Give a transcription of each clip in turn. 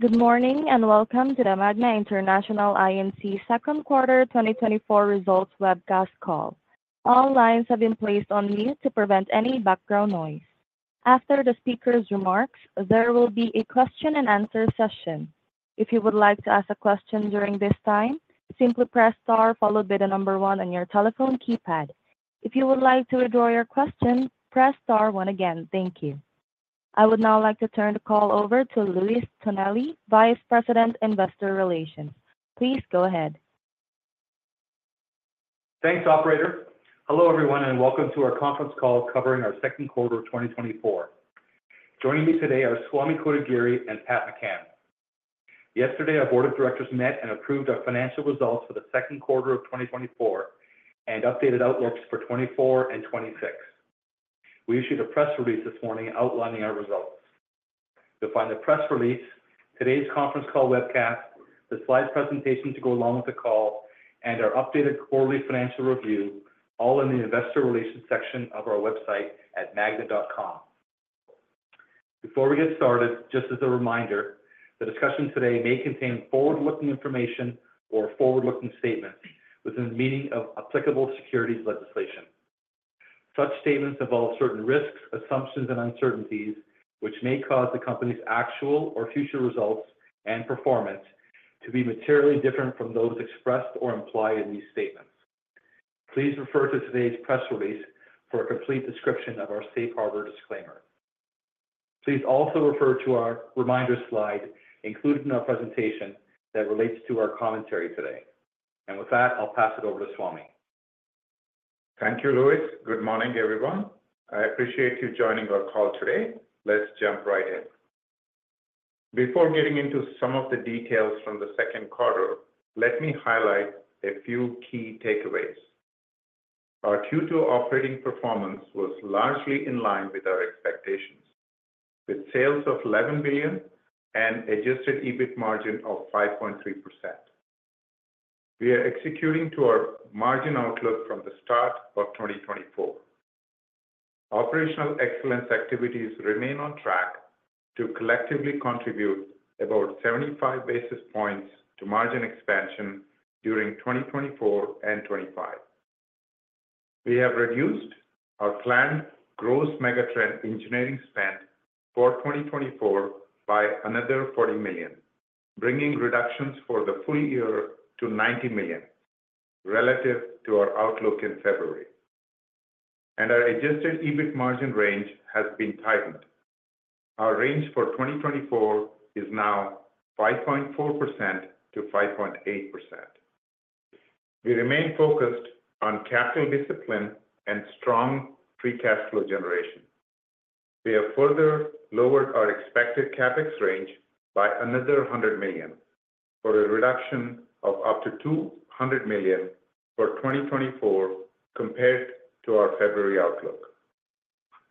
Good morning, and welcome to the Magna International Inc.'s second quarter 2024 results webcast call. All lines have been placed on mute to prevent any background noise. After the speaker's remarks, there will be a question-and-answer session. If you would like to ask a question during this time, simply press star followed by the number one on your telephone keypad. If you would like to withdraw your question, press star one again. Thank you. I would now like to turn the call over to Louis Tonelli, Vice President, Investor Relations. Please go ahead. Thanks, operator. Hello, everyone, and welcome to our conference call covering our second quarter of 2024. Joining me today are Swamy Kotagiri and Pat McCann. Yesterday, our board of directors met and approved our financial results for the second quarter of 2024 and updated outlooks for 2024 and 2026. We issued a press release this morning outlining our results. You'll find the press release, today's conference call webcast, the slide presentation to go along with the call, and our updated quarterly financial review, all in the Investor Relations section of our website at magna.com. Before we get started, just as a reminder, the discussion today may contain forward-looking information or forward-looking statements within the meaning of applicable securities legislation. Such statements involve certain risks, assumptions, and uncertainties which may cause the company's actual or future results and performance to be materially different from those expressed or implied in these statements. Please refer to today's press release for a complete description of our safe harbor disclaimer. Please also refer to our reminder slide included in our presentation that relates to our commentary today. With that, I'll pass it over to Swamy. Thank you, Louis. Good morning, everyone. I appreciate you joining our call today. Let's jump right in. Before getting into some of the details from the second quarter, let me highlight a few key takeaways. Our Q2 operating performance was largely in line with our expectations, with sales of $11 billion and adjusted EBIT margin of 5.3%. We are executing to our margin outlook from the start of 2024. Operational excellence activities remain on track to collectively contribute about 75 basis points to margin expansion during 2024 and 2025. We have reduced our planned gross megatrend engineering spend for 2024 by another $40 million, bringing reductions for the full year to $90 million relative to our outlook in February, and our adjusted EBIT margin range has been tightened. Our range for 2024 is now 5.4%-5.8%. We remain focused on capital discipline and strong free cash flow generation. We have further lowered our expected CapEx range by another $100 million, for a reduction of up to $200 million for 2024 compared to our February outlook.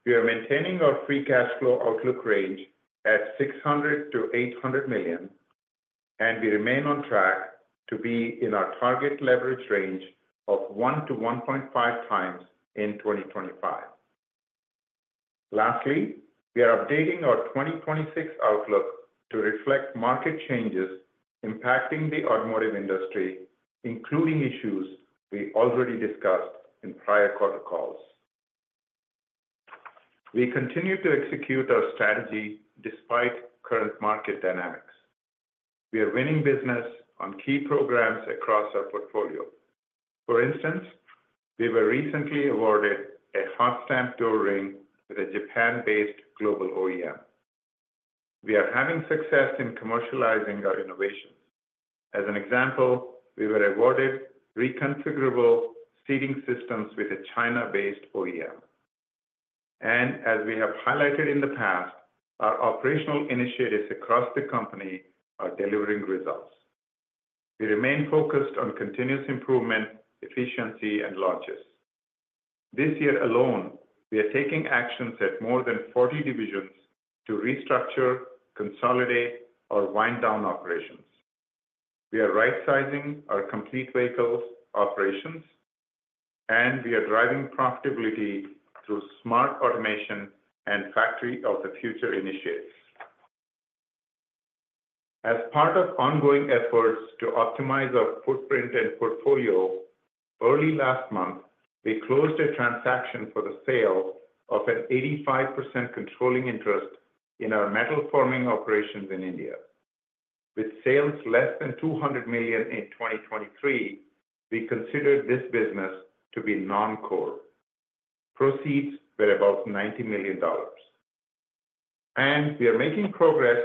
We are maintaining our free cash flow outlook range at $600 million-$800 million, and we remain on track to be in our target leverage range of 1-1.5 times in 2025. Lastly, we are updating our 2026 outlook to reflect market changes impacting the automotive industry, including issues we already discussed in prior quarter calls. We continue to execute our strategy despite current market dynamics. We are winning business on key programs across our portfolio. For instance, we were recently awarded a hot stamp door ring with a Japan-based global OEM. We are having success in commercializing our innovations. As an example, we were awarded reconfigurable seating systems with a China-based OEM. As we have highlighted in the past, our operational initiatives across the company are delivering results. We remain focused on continuous improvement, efficiency, and launches. This year alone, we are taking actions at more than 40 divisions to restructure, consolidate, or wind down operations. We are right-sizing our complete vehicles operations, and we are driving profitability through smart automation and factory of the future initiatives. As part of ongoing efforts to optimize our footprint and portfolio, early last month, we closed a transaction for the sale of an 85% controlling interest in our metal forming operations in India. With sales less than $200 million in 2023, we considered this business to be non-core. Proceeds were about $90 million. We are making progress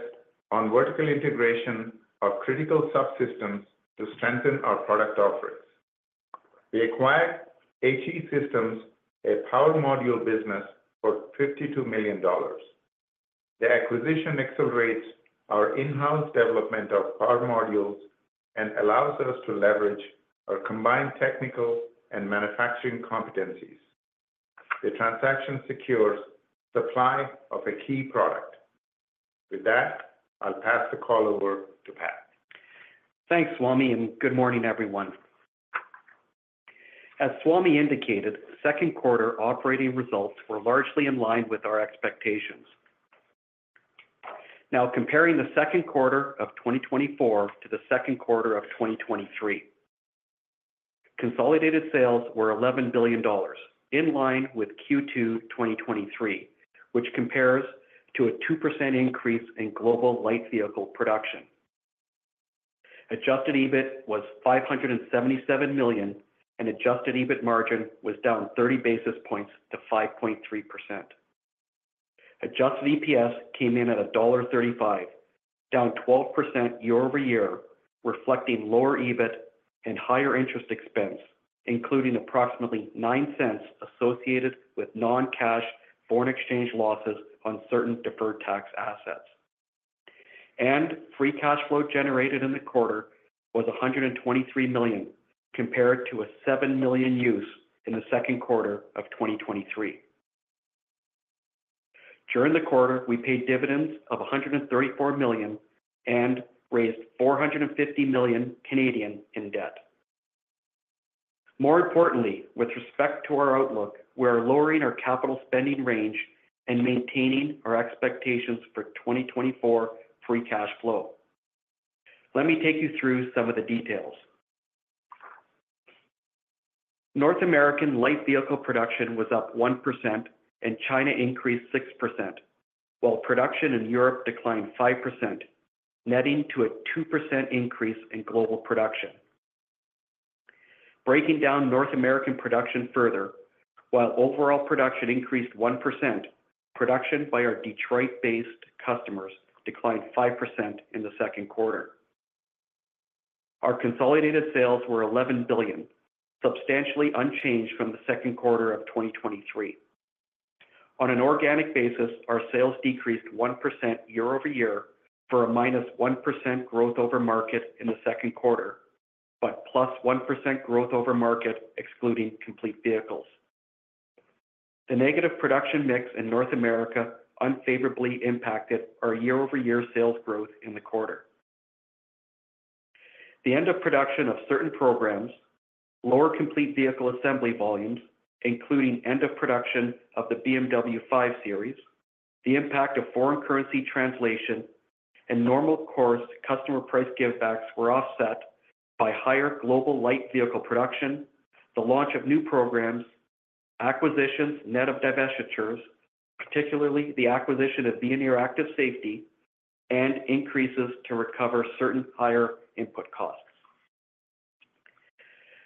on vertical integration of critical subsystems to strengthen our product offerings. We acquired H.E. Systems, a power module business, for $52 million. The acquisition accelerates our in-house development of power modules and allows us to leverage our combined technical and manufacturing competencies. The transaction secures supply of a key product. With that, I'll pass the call over to Pat. Thanks, Swamy, and good morning, everyone. As Swamy indicated, second quarter operating results were largely in line with our expectations. Now, comparing the second quarter of 2024 to the second quarter of 2023. Consolidated sales were $11 billion, in line with Q2 2023, which compares to a 2% increase in global light vehicle production. Adjusted EBIT was $577 million, and adjusted EBIT margin was down 30 basis points to 5.3%. Adjusted EPS came in at $1.35, down 12% year-over-year, reflecting lower EBIT and higher interest expense, including approximately $0.09 associated with non-cash foreign exchange losses on certain deferred tax assets. Free cash flow generated in the quarter was $123 million, compared to a $7 million use in the second quarter of 2023. During the quarter, we paid dividends of 134 million and raised 450 million Canadian dollars in debt. More importantly, with respect to our outlook, we are lowering our capital spending range and maintaining our expectations for 2024 free cash flow. Let me take you through some of the details. North American light vehicle production was up 1%, and China increased 6%, while production in Europe declined 5%, netting to a 2% increase in global production. Breaking down North American production further, while overall production increased 1%, production by our Detroit-based customers declined 5% in the second quarter. Our consolidated sales were $11 billion, substantially unchanged from the second quarter of 2023. On an organic basis, our sales decreased 1% year-over-year for a -1% growth over market in the second quarter, but +1% growth over market, excluding complete vehicles. The negative production mix in North America unfavorably impacted our year-over-year sales growth in the quarter. The end of production of certain programs, lower complete vehicle assembly volumes, including end of production of the BMW 5 Series, the impact of foreign currency translation, and normal course customer price give backs were offset by higher global light vehicle production, the launch of new programs, acquisitions, net of divestitures, particularly the acquisition of Veoneer Active Safety, and increases to recover certain higher input costs.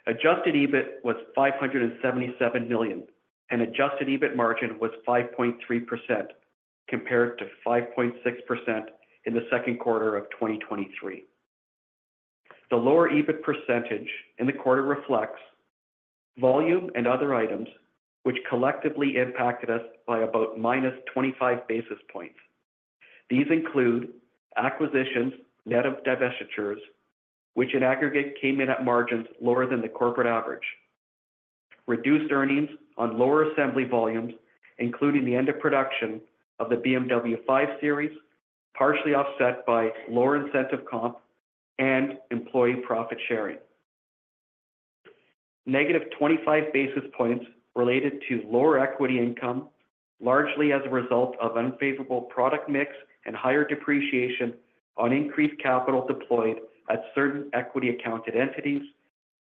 Adjusted EBIT was $577 million, and adjusted EBIT margin was 5.3%, compared to 5.6% in the second quarter of 2023. The lower EBIT percentage in the quarter reflects volume and other items which collectively impacted us by about -25 basis points. These include acquisitions, net of divestitures, which in aggregate came in at margins lower than the corporate average, reduced earnings on lower assembly volumes, including the end of production of the BMW 5 Series, partially offset by lower incentive comp and employee profit sharing. -25 basis points related to lower equity income, largely as a result of unfavorable product mix and higher depreciation on increased capital deployed at certain equity accounted entities,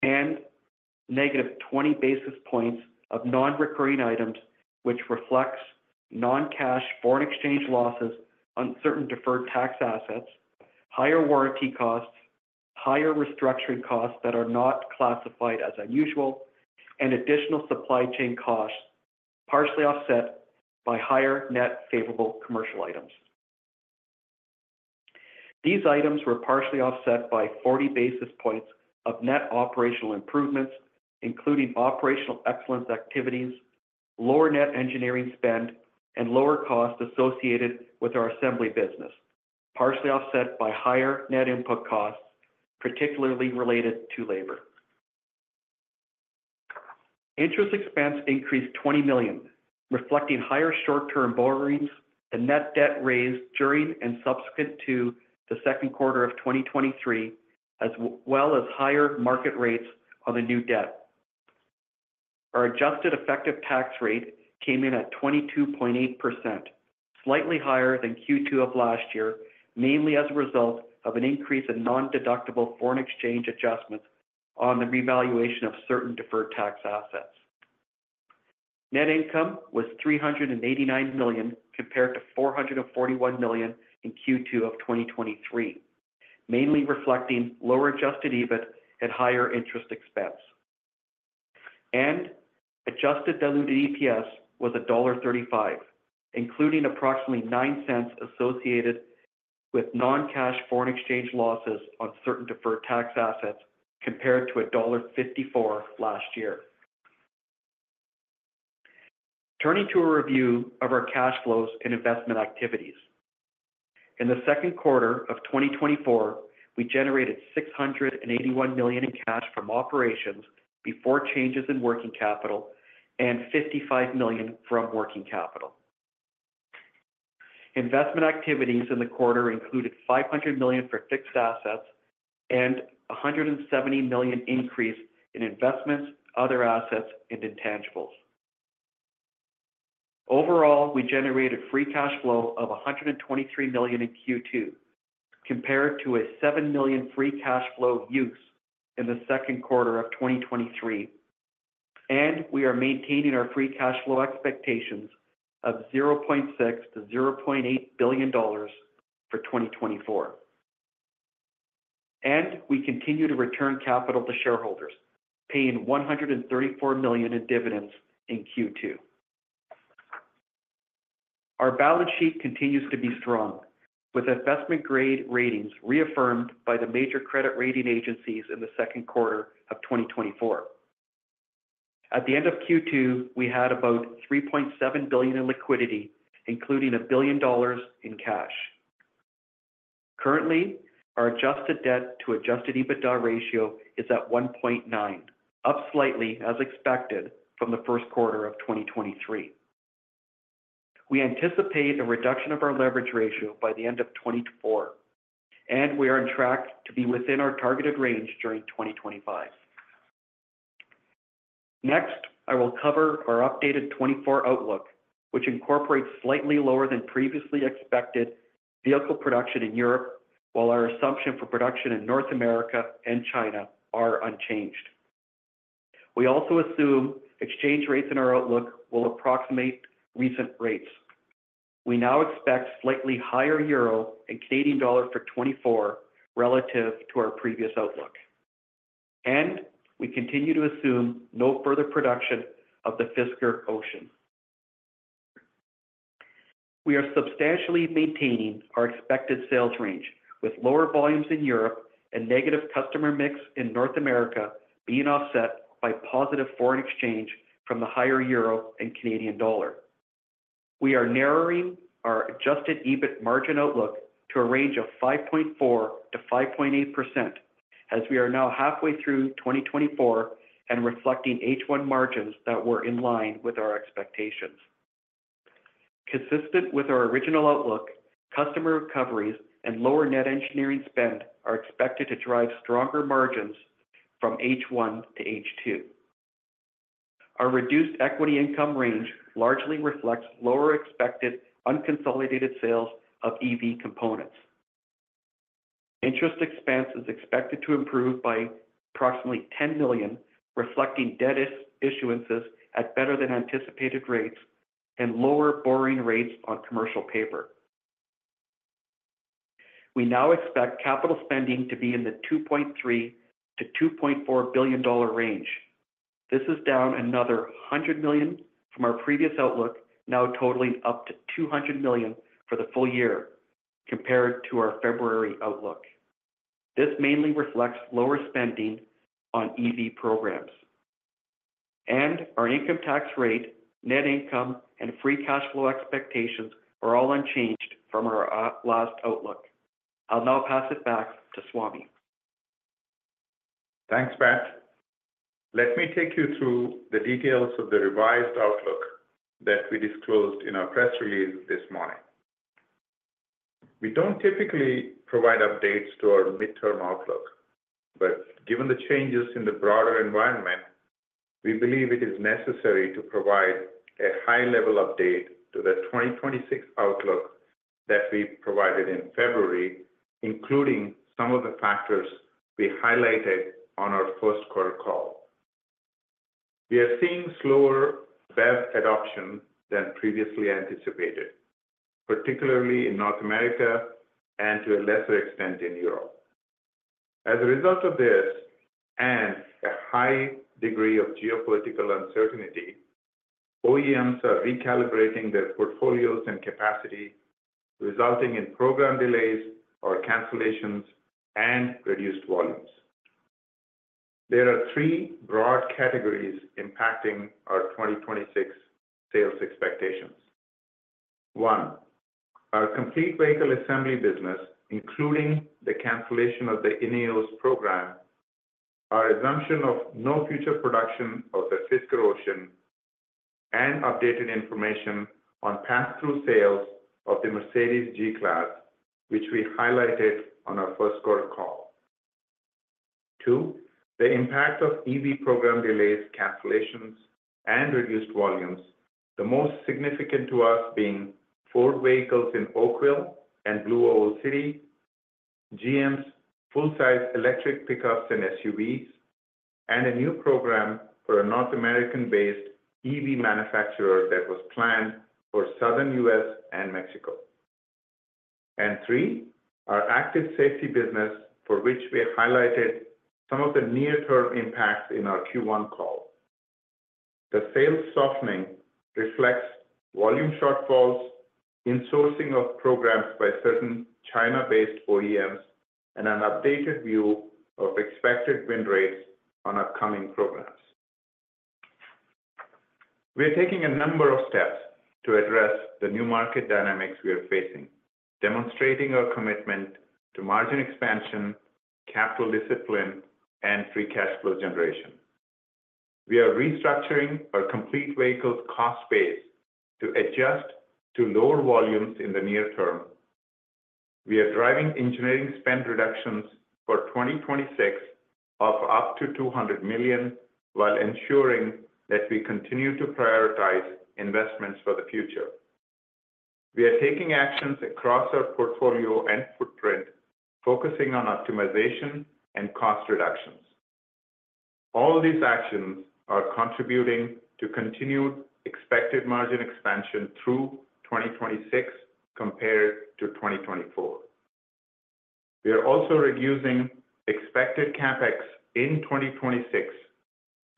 and -20 basis points of non-recurring items, which reflects non-cash foreign exchange losses on certain deferred tax assets, higher warranty costs, higher restructuring costs that are not classified as unusual, and additional supply chain costs, partially offset by higher net favorable commercial items. These items were partially offset by 40 basis points of net operational improvements, including operational excellence activities, lower net engineering spend, and lower costs associated with our assembly business, partially offset by higher net input costs, particularly related to labor. Interest expense increased $20 million, reflecting higher short-term borrowings and net debt raised during and subsequent to the second quarter of 2023, as well as higher market rates on the new debt. Our adjusted effective tax rate came in at 22.8%, slightly higher than Q2 of last year, mainly as a result of an increase in non-deductible foreign exchange adjustments on the revaluation of certain deferred tax assets. Net income was $389 million, compared to $441 million in Q2 of 2023, mainly reflecting lower adjusted EBIT and higher interest expense. Adjusted diluted EPS was $1.35, including approximately $0.09 associated with non-cash foreign exchange losses on certain deferred tax assets, compared to $1.54 last year. Turning to a review of our cash flows and investment activities. In the second quarter of 2024, we generated $681 million in cash from operations before changes in working capital and $55 million from working capital. Investment activities in the quarter included $500 million for fixed assets and $170 million increase in investments, other assets, and intangibles. Overall, we generated free cash flow of $123 million in Q2, compared to a $7 million free cash flow use in the second quarter of 2023. We are maintaining our free cash flow expectations of $0.6 billion-$0.8 billion for 2024. We continue to return capital to shareholders, paying $134 million in dividends in Q2. Our balance sheet continues to be strong, with investment-grade ratings reaffirmed by the major credit rating agencies in the second quarter of 2024. At the end of Q2, we had about $3.7 billion in liquidity, including $1 billion in cash. Currently, our adjusted debt to adjusted EBITDA ratio is at 1.9, up slightly, as expected, from the first quarter of 2023. We anticipate a reduction of our leverage ratio by the end of 2024, and we are on track to be within our targeted range during 2025. Next, I will cover our updated 2024 outlook, which incorporates slightly lower than previously expected vehicle production in Europe, while our assumption for production in North America and China are unchanged. We also assume exchange rates in our outlook will approximate recent rates. We now expect slightly higher euro and Canadian dollar for 2024 relative to our previous outlook, and we continue to assume no further production of the Fisker Ocean. We are substantially maintaining our expected sales range, with lower volumes in Europe and negative customer mix in North America being offset by positive foreign exchange from the higher euro and Canadian dollar. We are narrowing our adjusted EBIT margin outlook to a range of 5.4%-5.8%, as we are now halfway through 2024 and reflecting H1 margins that were in line with our expectations. Consistent with our original outlook, customer recoveries and lower net engineering spend are expected to drive stronger margins from H1 to H2. Our reduced equity income range largely reflects lower expected unconsolidated sales of EV components. Interest expense is expected to improve by approximately $10 million, reflecting debt issuances at better than anticipated rates and lower borrowing rates on commercial paper. We now expect capital spending to be in the $2.3 billion-$2.4 billion range. This is down another $100 million from our previous outlook, now totaling up to $200 million for the full year compared to our February outlook. This mainly reflects lower spending on EV programs. Our income tax rate, net income, and free cash flow expectations are all unchanged from our last outlook. I'll now pass it back to Swamy. Thanks, Pat. Let me take you through the details of the revised outlook that we disclosed in our press release this morning. We don't typically provide updates to our midterm outlook, but given the changes in the broader environment, we believe it is necessary to provide a high-level update to the 2026 outlook that we provided in February, including some of the factors we highlighted on our first quarter call. We are seeing slower BEV adoption than previously anticipated, particularly in North America and to a lesser extent, in Europe. As a result of this and a high degree of geopolitical uncertainty, OEMs are recalibrating their portfolios and capacity, resulting in program delays or cancellations and reduced volumes. There are three broad categories impacting our 2026 sales expectations. One, our complete vehicle assembly business, including the cancellation of the INEOS program, our assumption of no future production of the Fisker Ocean, and updated information on pass-through sales of the Mercedes G-Class, which we highlighted on our first quarter call. Two, the impact of EV program delays, cancellations, and reduced volumes, the most significant to us being Ford vehicles in Oakville and Blue Oval City, OEM's full-size electric pickups and SUVs, and a new program for a North American-based EV manufacturer that was planned for Southern US and Mexico. Three, our active safety business, for which we highlighted some of the near-term impacts in our Q1 call. The sales softening reflects volume shortfalls, insourcing of programs by certain China-based OEMs, and an updated view of expected win rates on upcoming programs. We are taking a number of steps to address the new market dynamics we are facing, demonstrating our commitment to margin expansion, capital discipline, and free cash flow generation. We are restructuring our complete vehicles cost base to adjust to lower volumes in the near term. We are driving engineering spend reductions for 2026 of up to $200 million, while ensuring that we continue to prioritize investments for the future. We are taking actions across our portfolio and footprint, focusing on optimization and cost reductions. All these actions are contributing to continued expected margin expansion through 2026 compared to 2024. We are also reducing expected CapEx in 2026,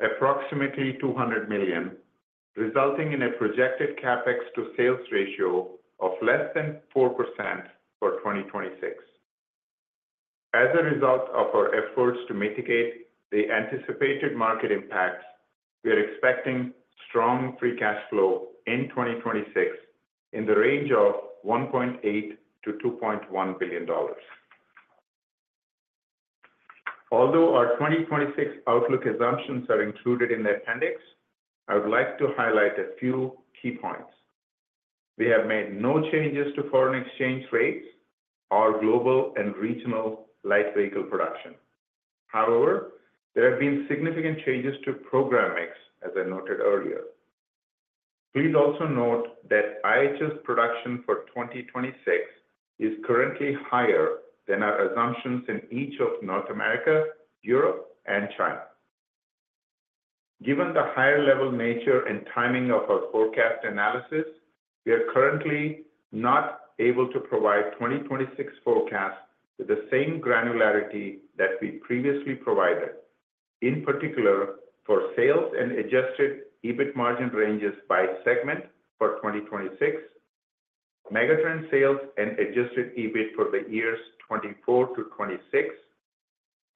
approximately $200 million, resulting in a projected CapEx to sales ratio of less than 4% for 2026. As a result of our efforts to mitigate the anticipated market impacts, we are expecting strong free cash flow in 2026 in the range of $1.8 billion-$2.1 billion. Although our 2026 outlook assumptions are included in the appendix, I would like to highlight a few key points. We have made no changes to foreign exchange rates or global and regional light vehicle production. However, there have been significant changes to program mix, as I noted earlier. Please also note that IHS production for 2026 is currently higher than our assumptions in each of North America, Europe, and China. Given the higher level nature and timing of our forecast analysis, we are currently not able to provide 2026 forecasts with the same granularity that we previously provided, in particular, for sales and adjusted EBIT margin ranges by segment for 2026, megatrend sales and adjusted EBIT for the years 2024-2026,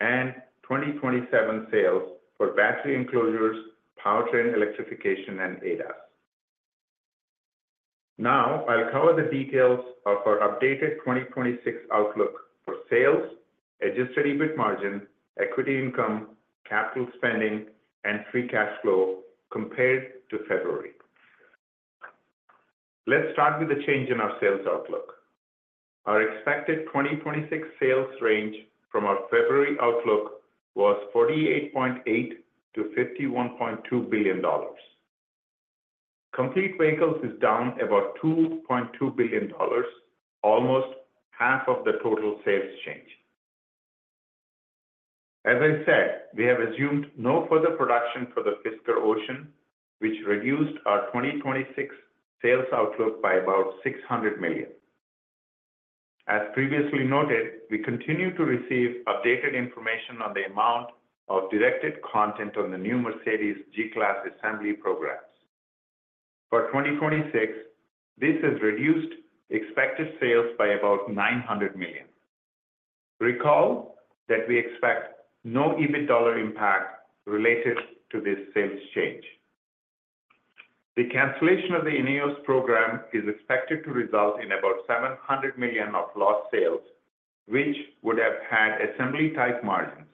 and 2027 sales for battery enclosures, powertrain electrification, and ADAS. Now, I'll cover the details of our updated 2026 outlook for sales, adjusted EBIT margin, equity income, capital spending, and free cash flow compared to February. Let's start with the change in our sales outlook. Our expected 2026 sales range from our February outlook was $48.8 billion-$51.2 billion. Complete Vehicles is down about $2.2 billion, almost half of the total sales change. As I said, we have assumed no further production for the Fisker Ocean, which reduced our 2026 sales outlook by about $600 million. As previously noted, we continue to receive updated information on the amount of directed content on the new Mercedes G-Class assembly programs. For 2026, this has reduced expected sales by about $900 million. Recall that we expect no EBIT dollar impact related to this sales change. The cancellation of the INEOS program is expected to result in about $700 million of lost sales, which would have had assembly-type margins.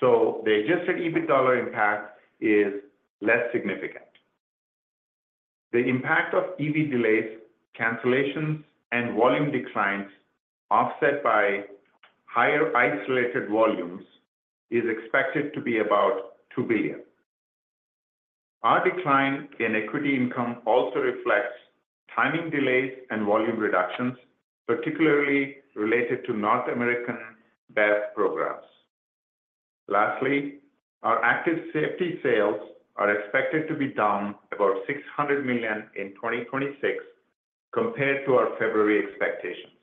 So the adjusted EBIT dollar impact is less significant. The impact of EV delays, cancellations, and volume declines, offset by higher isolated volumes, is expected to be about $2 billion. Our decline in equity income also reflects timing delays and volume reductions, particularly related to North American BEV programs. Lastly, our active safety sales are expected to be down about $600 million in 2026 compared to our February expectations.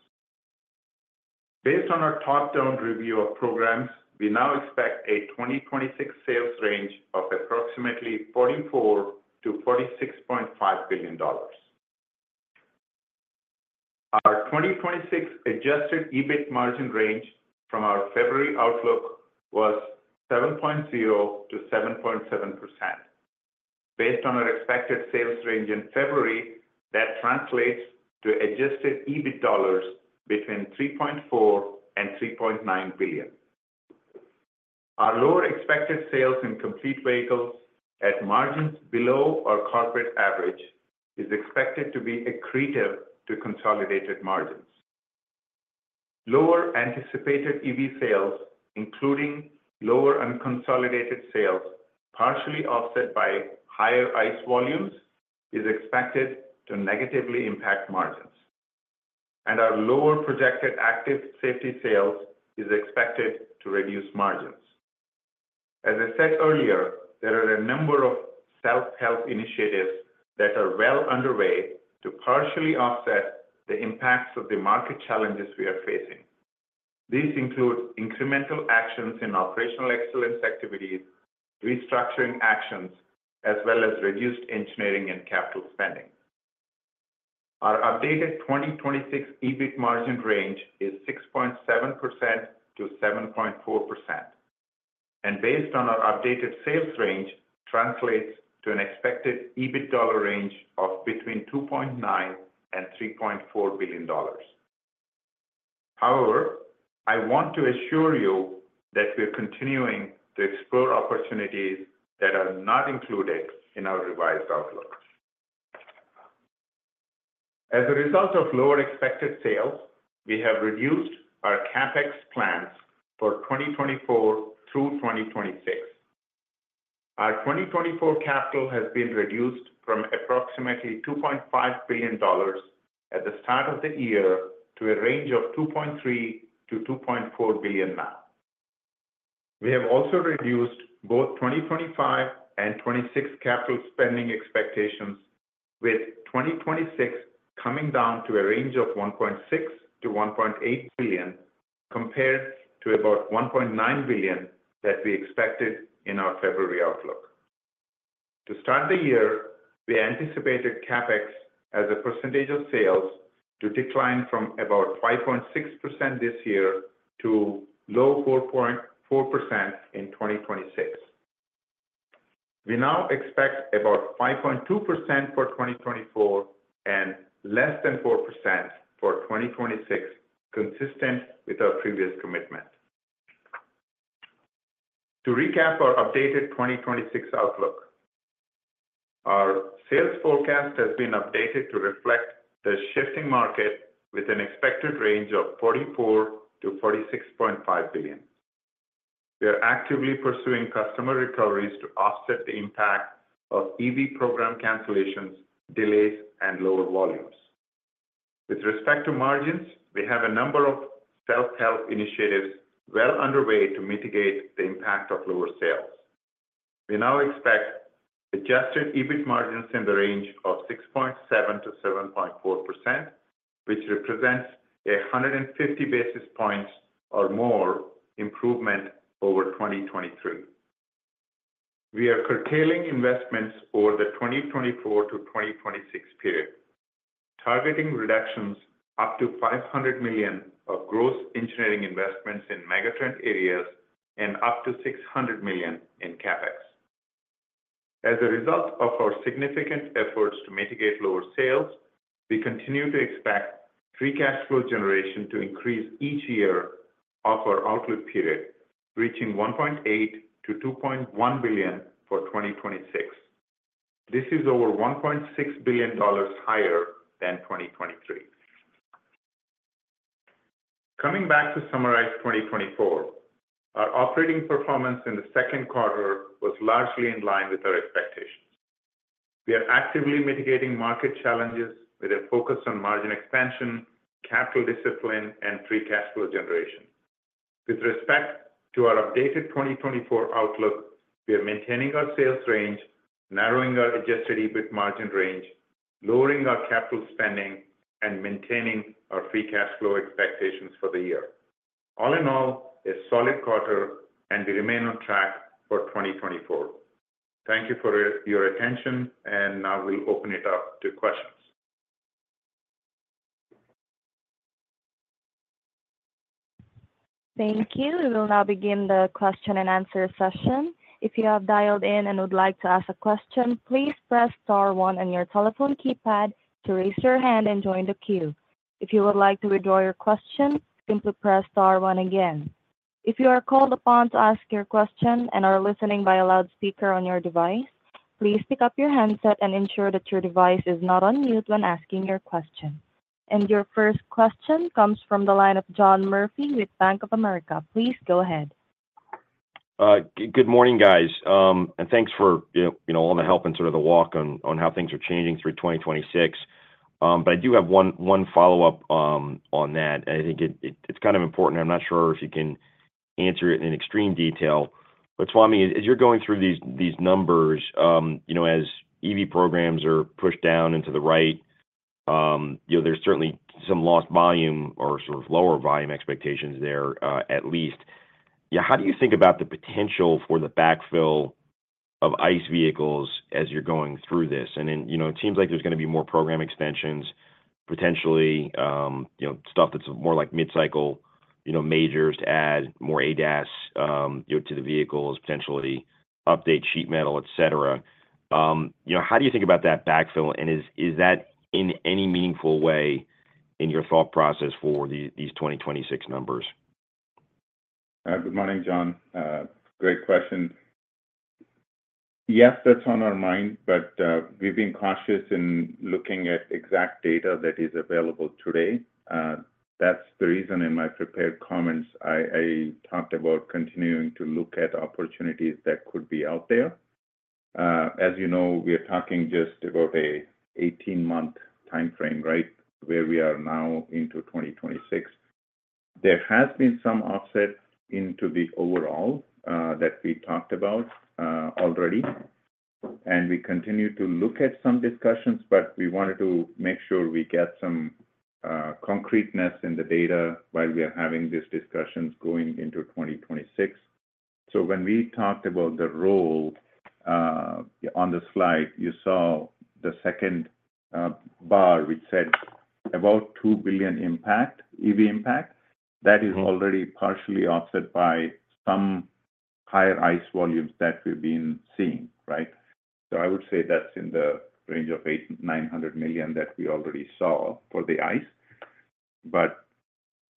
Based on our top-down review of programs, we now expect a 2026 sales range of approximately $44 billion-$46.5 billion. Our 2026 adjusted EBIT margin range from our February outlook was 7.0%-7.7%. Based on our expected sales range in February, that translates to adjusted EBIT dollars between $3.4 billion and $3.9 billion. Our lower expected sales in complete vehicles at margins below our corporate average is expected to be accretive to consolidated margins. Lower anticipated EV sales, including lower unconsolidated sales, partially offset by higher ICE volumes, is expected to negatively impact margins, and our lower projected active safety sales is expected to reduce margins. As I said earlier, there are a number of self-help initiatives that are well underway to partially offset the impacts of the market challenges we are facing. These include incremental actions in operational excellence activities, restructuring actions, as well as reduced engineering and capital spending. Our updated 2026 EBIT margin range is 6.7%-7.4%, and based on our updated sales range, translates to an expected EBIT dollar range of between $2.9 billion and $3.4 billion. However, I want to assure you that we're continuing to explore opportunities that are not included in our revised outlook. As a result of lower expected sales, we have reduced our CapEx plans for 2024 through 2026. Our 2024 capital has been reduced from approximately $2.5 billion at the start of the year to a range of $2.3 billion-$2.4 billion now. We have also reduced both 2025 and 2026 capital spending expectations, with 2026 coming down to a range of $1.6 billion-$1.8 billion, compared to about $1.9 billion that we expected in our February outlook. To start the year, we anticipated CapEx as a percentage of sales to decline from about 5.6% this year to low 4.4% in 2026. We now expect about 5.2% for 2024 and less than 4% for 2026, consistent with our previous commitment. To recap our updated 2026 outlook, our sales forecast has been updated to reflect the shifting market with an expected range of $44 billion-$46.5 billion. We are actively pursuing customer recoveries to offset the impact of EV program cancellations, delays, and lower volumes. With respect to margins, we have a number of self-help initiatives well underway to mitigate the impact of lower sales. We now expect Adjusted EBIT margins in the range of 6.7%-7.4%, which represents 150 basis points or more improvement over 2023. We are curtailing investments over the 2024-2026 period, targeting reductions up to $500 million of gross engineering investments in megatrend areas and up to $600 million in CapEx. As a result of our significant efforts to mitigate lower sales, we continue to expect free cash flow generation to increase each year of our outlook period, reaching $1.8 billion-$2.1 billion for 2026. This is over $1.6 billion higher than 2023. Coming back to summarize 2024, our operating performance in the second quarter was largely in line with our expectations. We are actively mitigating market challenges with a focus on margin expansion, capital discipline, and free cash flow generation. With respect to our updated 2024 outlook, we are maintaining our sales range, narrowing our Adjusted EBIT margin range, lowering our capital spending, and maintaining our free cash flow expectations for the year. All in all, a solid quarter, and we remain on track for 2024. Thank you for your attention, and now we'll open it up to questions. Thank you. We will now begin the question and answer session. If you have dialed in and would like to ask a question, please press star one on your telephone keypad to raise your hand and join the queue. If you would like to withdraw your question, simply press star one again. If you are called upon to ask your question and are listening by a loudspeaker on your device, please pick up your handset and ensure that your device is not on mute when asking your question. Your first question comes from the line of John Murphy with Bank of America. Please go ahead. Good morning, guys, and thanks for, you know, all the help and sort of the walk on how things are changing through 2026. But I do have one follow-up on that, and I think it's kind of important. I'm not sure if you can answer it in extreme detail. But Swamy, as you're going through these numbers, you know, as EV programs are pushed down into the right, you know, there's certainly some lost volume or sort of lower volume expectations there, at least. Yeah, how do you think about the potential for the backfill of ICE vehicles as you're going through this? And then, you know, it seems like there's gonna be more program extensions, potentially, you know, stuff that's more like mid-cycle, you know, majors to add more ADAS, you know, to the vehicles, potentially update sheet metal, et cetera. You know, how do you think about that backfill, and is that in any meaningful way in your thought process for these 2026 numbers? Good morning, John. Great question. Yes, that's on our mind, but we've been cautious in looking at exact data that is available today. That's the reason, in my prepared comments, I talked about continuing to look at opportunities that could be out there. As you know, we are talking just about an 18-month timeframe, right? Where we are now into 2026. There has been some offset into the overall that we talked about already, and we continue to look at some discussions, but we wanted to make sure we get some concreteness in the data while we are having these discussions going into 2026. So when we talked about the row on the slide, you saw the second bar, which said about $2 billion impact, EV impact. That is already partially offset by some higher ICE volumes that we've been seeing, right? So I would say that's in the range of $800 million-$900 million that we already saw for the ICE. But,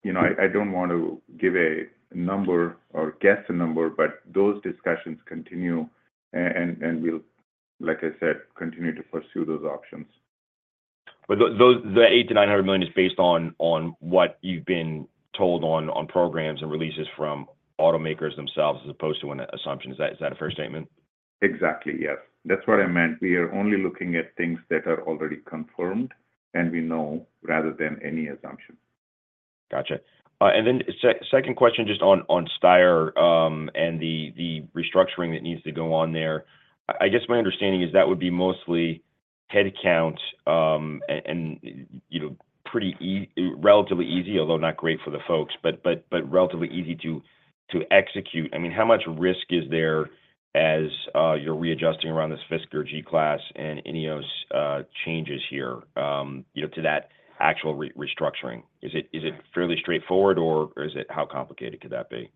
you know, I don't want to give a number or guess a number, but those discussions continue, and we'll, like I said, continue to pursue those options. But those the $800 million-$900 million is based on what you've been told on programs and releases from automakers themselves as opposed to an assumption. Is that a fair statement? Exactly, yes. That's what I meant. We are only looking at things that are already confirmed and we know, rather than any assumption. Gotcha. And then second question, just on Steyr, and the restructuring that needs to go on there. I guess my understanding is that would be mostly headcount, and, you know, pretty relatively easy, although not great for the folks, but relatively easy to execute. I mean, how much risk is there as you're readjusting around this Fisker G-Class and INEOS changes here, you know, to that actual restructuring? Is it fairly straightforward, or is it how complicated could that be?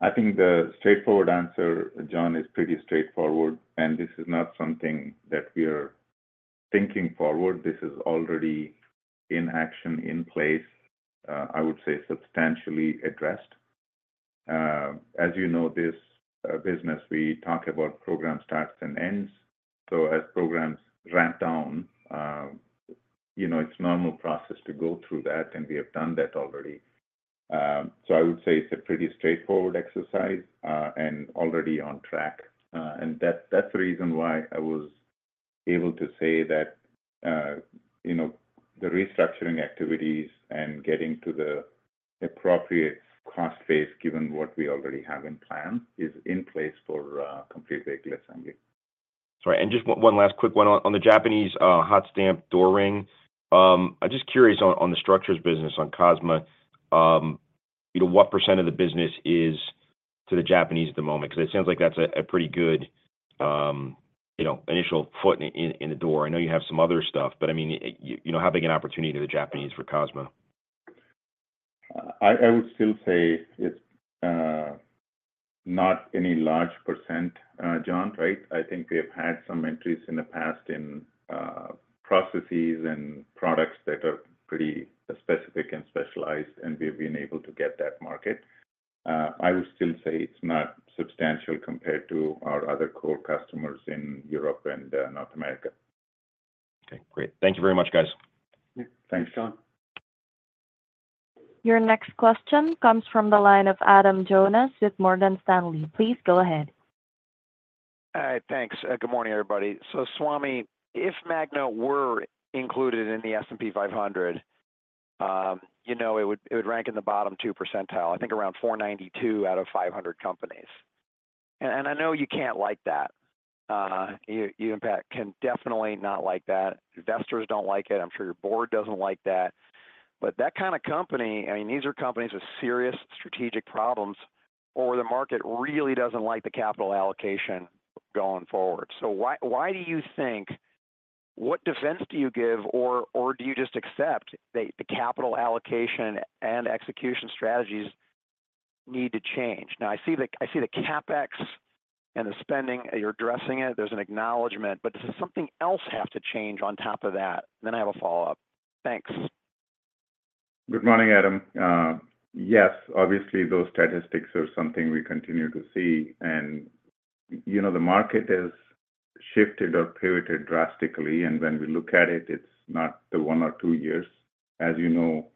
I think the straightforward answer, John, is pretty straightforward, and this is not something that we are thinking forward. This is already in action, in place. I would say substantially addressed. As you know, this business, we talk about program starts and ends. So as programs ramp down, you know, it's normal process to go through that, and we have done that already. So I would say it's a pretty straightforward exercise, and already on track. And that's the reason why I was able to say that, you know, the restructuring activities and getting to the appropriate cost base, given what we already have in plan, is in place for complete vehicle assembly. Sorry, and just one last quick one. On the Japanese hot stamp door ring, I'm just curious on the structures business on Cosma, you know, what percent of the business is to the Japanese at the moment? 'Cause it sounds like that's a pretty good, you know, initial foot in the door. I know you have some other stuff, but I mean, you know, how big an opportunity to the Japanese for Cosma? I would still say it's not any large percent, John, right? I think we have had some entries in the past in processes and products that are pretty specific and specialized, and we've been able to get that market. I would still say it's not substantial compared to our other core customers in Europe and North America. Okay, great. Thank you very much, guys. Yeah, thanks, John. Your next question comes from the line of Adam Jonas with Morgan Stanley. Please go ahead. All right, thanks. Good morning, everybody. So Swamy, if Magna were included in the S&P 500, you know, it would rank in the bottom 2 percentile, I think around 492 out of 500 companies. I know you can't like that. You in fact can definitely not like that. Investors don't like it. I'm sure your board doesn't like that. But that kind of company, I mean, these are companies with serious strategic problems, or the market really doesn't like the capital allocation going forward. So why do you think, what defense do you give, or do you just accept that the capital allocation and execution strategies need to change? Now, I see the CapEx and the spending, you're addressing it. There's an acknowledgment, but does something else have to change on top of that? I have a follow-up. Thanks. Good morning, Adam. Yes, obviously, those statistics are something we continue to see, and, you know, the market has shifted or pivoted drastically, and when we look at it, it's not the one or two years, as you know,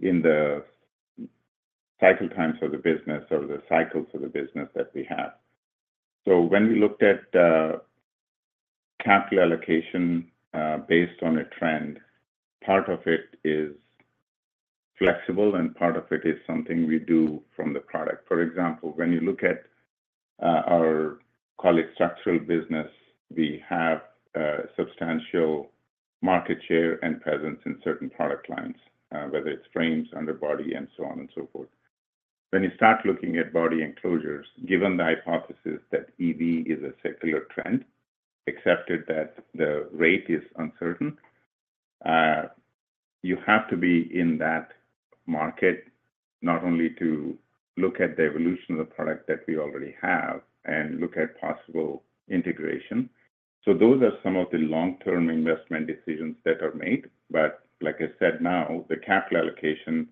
in the cycle times of the business or the cycles of the business that we have. So when we looked at capital allocation based on a trend, part of it is flexible and part of it is something we do from the product. For example, when you look at our core structural business, we have substantial market share and presence in certain product lines, whether it's frames, underbody, and so on and so forth. When you start looking at body enclosures, given the hypothesis that EV is a secular trend, accepted that the rate is uncertain, you have to be in that market not only to look at the evolution of the product that we already have and look at possible integration. So those are some of the long-term investment decisions that are made, but like I said, now the capital allocation,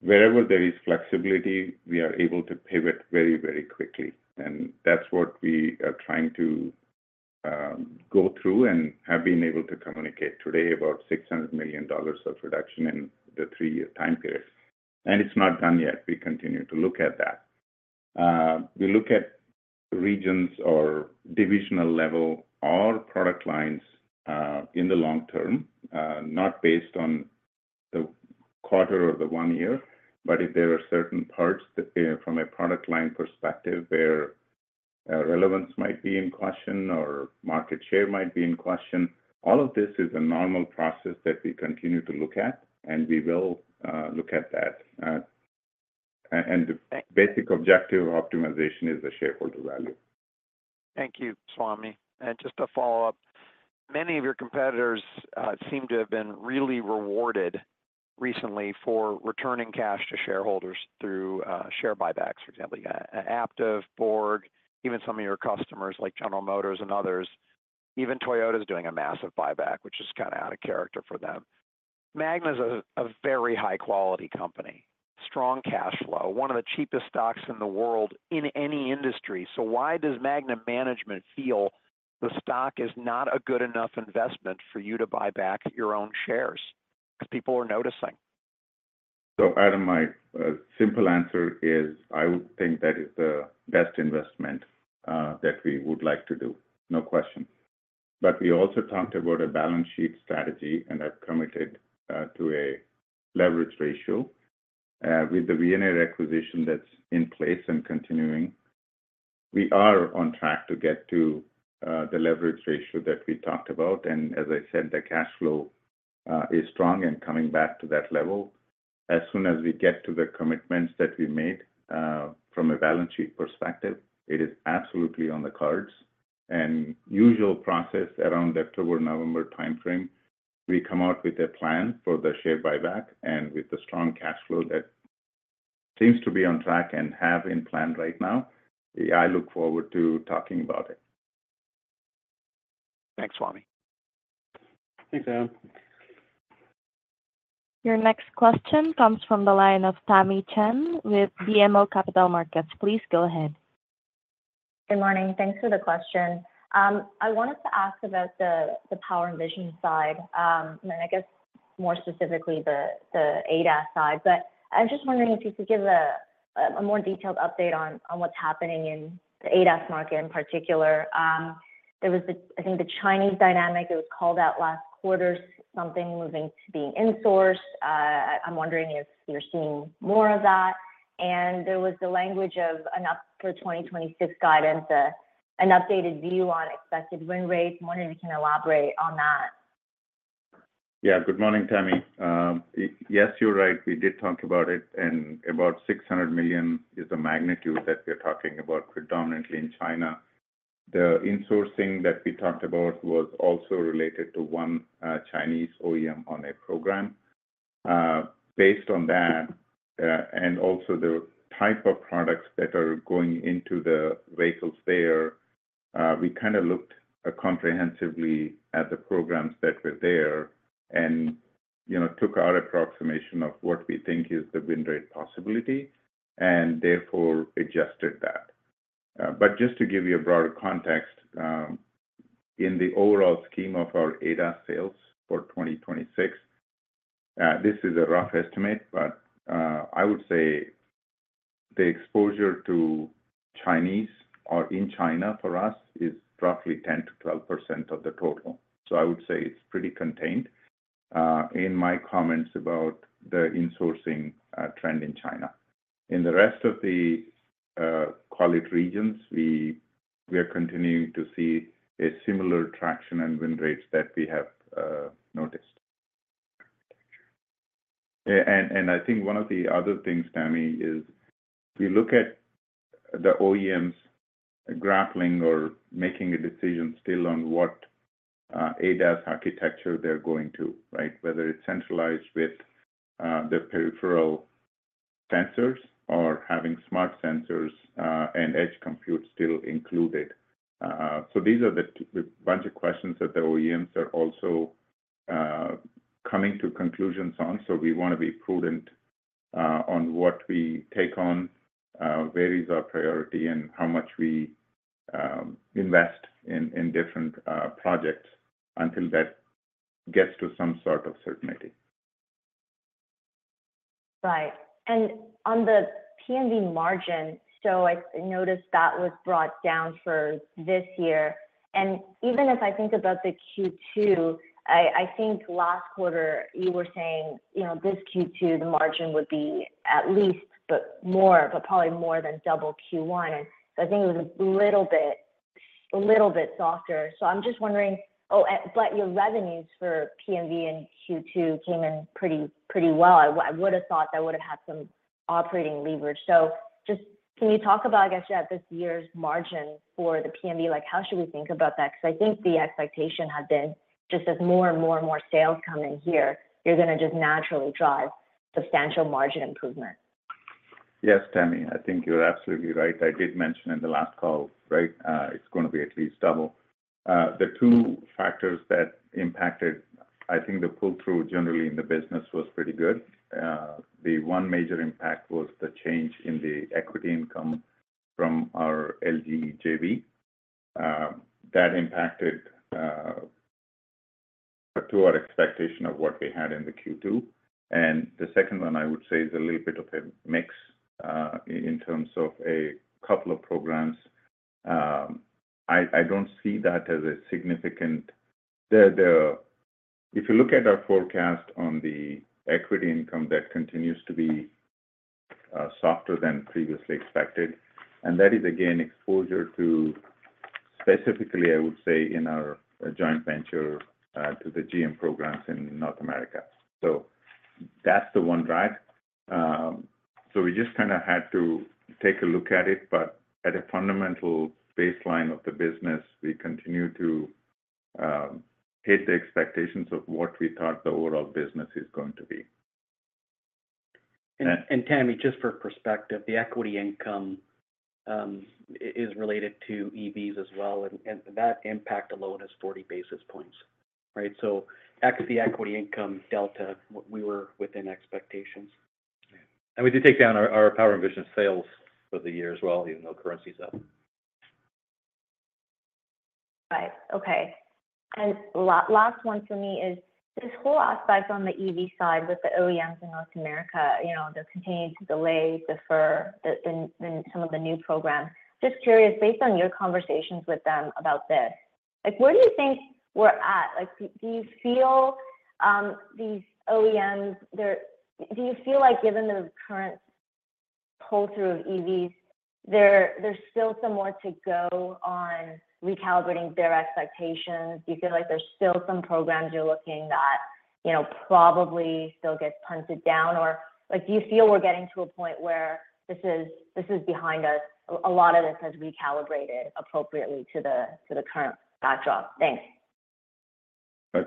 wherever there is flexibility, we are able to pivot very, very quickly. And that's what we are trying to, go through and have been able to communicate today about $600 million of reduction in the three-year time period. And it's not done yet. We continue to look at that. We look at regions or divisional level or product lines, in the long term, not based on the quarter or the one year, but if there are certain parts that, from a product line perspective, where relevance might be in question or market share might be in question, all of this is a normal process that we continue to look at, and we will look at that. And the basic objective of optimization is the shareholder value. Thank you, Swamy. And just a follow-up. Many of your competitors seem to have been really rewarded recently for returning cash to shareholders through share buybacks, for example, Aptiv, Borg, even some of your customers like General Motors and others. Even Toyota is doing a massive buyback, which is kind of out of character for them. Magna is a, a very high-quality company, strong cash flow, one of the cheapest stocks in the world in any industry. So why does Magna management feel the stock is not a good enough investment for you to buy back your own shares? Because people are noticing. So Adam, my simple answer is I would think that is the best investment that we would like to do, no question. But we also talked about a balance sheet strategy, and I've committed to a leverage ratio. With the Veoneer acquisition that's in place and continuing, we are on track to get to the leverage ratio that we talked about. And as I said, the cash flow is strong and coming back to that level. As soon as we get to the commitments that we made from a balance sheet perspective, it is absolutely on the cards. And usual process around October, November time frame, we come out with a plan for the share buyback and with the strong cash flow that seems to be on track and have in plan right now, I look forward to talking about it. Thanks, Swamy. Thanks, Adam. Your next question comes from the line of Tamy Chen with BMO Capital Markets. Please go ahead. Good morning. Thanks for the question. I wanted to ask about the Power & Vision side, and I guess more specifically, the ADAS side. But I'm just wondering if you could give a more detailed update on what's happening in the ADAS market in particular. There was the, I think the Chinese dynamic, it was called out last quarter, something moving to being insourced. I'm wondering if you're seeing more of that. And there was the language of enough for 2026 guidance, an updated view on expected win rates. I'm wondering if you can elaborate on that. Yeah. Good morning, Tamy. Yes, you're right. We did talk about it, and about $600 million is the magnitude that we're talking about, predominantly in China. The insourcing that we talked about was also related to one Chinese OEM on a program. Based on that, and also the type of products that are going into the vehicles there, we kinda looked comprehensively at the programs that were there and, you know, took our approximation of what we think is the win rate possibility, and therefore, adjusted that. But just to give you a broader context, in the overall scheme of our ADAS sales for 2026, this is a rough estimate, but I would say the exposure to Chinese or in China for us is roughly 10%-12% of the total. So I would say it's pretty contained in my comments about the insourcing trend in China. In the rest of the, call it regions, we are continuing to see a similar traction and win rates that we have noticed. And I think one of the other things, Tamy, is we look at the OEMs grappling or making a decision still on what ADAS architecture they're going to, right? Whether it's centralized with the peripheral sensors or having smart sensors and edge compute still included. So these are the bunch of questions that the OEMs are also coming to conclusions on. So we want to be prudent on what we take on, where is our priority, and how much we invest in different projects until that gets to some sort of certainty. Right. And on the P&V margin, so I noticed that was brought down for this year. And even as I think about the Q2, I think last quarter you were saying, you know, this Q2, the margin would be at least, but more, but probably more than double Q1. And I think it was a little bit, a little bit softer. So I'm just wondering. Oh, but your revenues for P&V in Q2 came in pretty, pretty well. I would have thought that would have had some operating leverage. So just can you talk about, I guess, yeah, this year's margin for the P&V? Like, how should we think about that? Because I think the expectation had been just as more and more and more sales come in here, you're gonna just naturally drive substantial margin improvement. Yes, Tamy, I think you're absolutely right. I did mention in the last call, right, it's gonna be at least double. The two factors that impacted, I think the pull-through generally in the business was pretty good. The one major impact was the change in the equity income from our LG JV. That impacted to our expectation of what we had in the Q2. And the second one, I would say, is a little bit of a mix in terms of a couple of programs. I don't see that as a significant. If you look at our forecast on the equity income, that continues to be softer than previously expected, and that is again, exposure to, specifically, I would say, in our joint venture to the GM programs in North America. So that's the one drive. We just kind of had to take a look at it, but at a fundamental baseline of the business, we continue to hit the expectations of what we thought the overall business is going to be. And, Tamy, just for perspective, the equity income is related to EVs as well, and that impact alone is 40 basis points, right? So ex of the equity income delta, we were within expectations. We did take down our Power & Vision sales for the year as well, even though currency's up. Right. Okay. And last one for me is, this whole aspect on the EV side with the OEMs in North America, you know, they're continuing to delay, defer some of the new programs. Just curious, based on your conversations with them about this, like, where do you think we're at? Like, do you feel these OEMs, they're. Do you feel like given the current pull-through of EVs, there's still some more to go on recalibrating their expectations? Do you feel like there's still some programs you're looking that, you know, probably still get punted down? Or, like, do you feel we're getting to a point where this is behind us, a lot of this has recalibrated appropriately to the current backdrop? Thanks.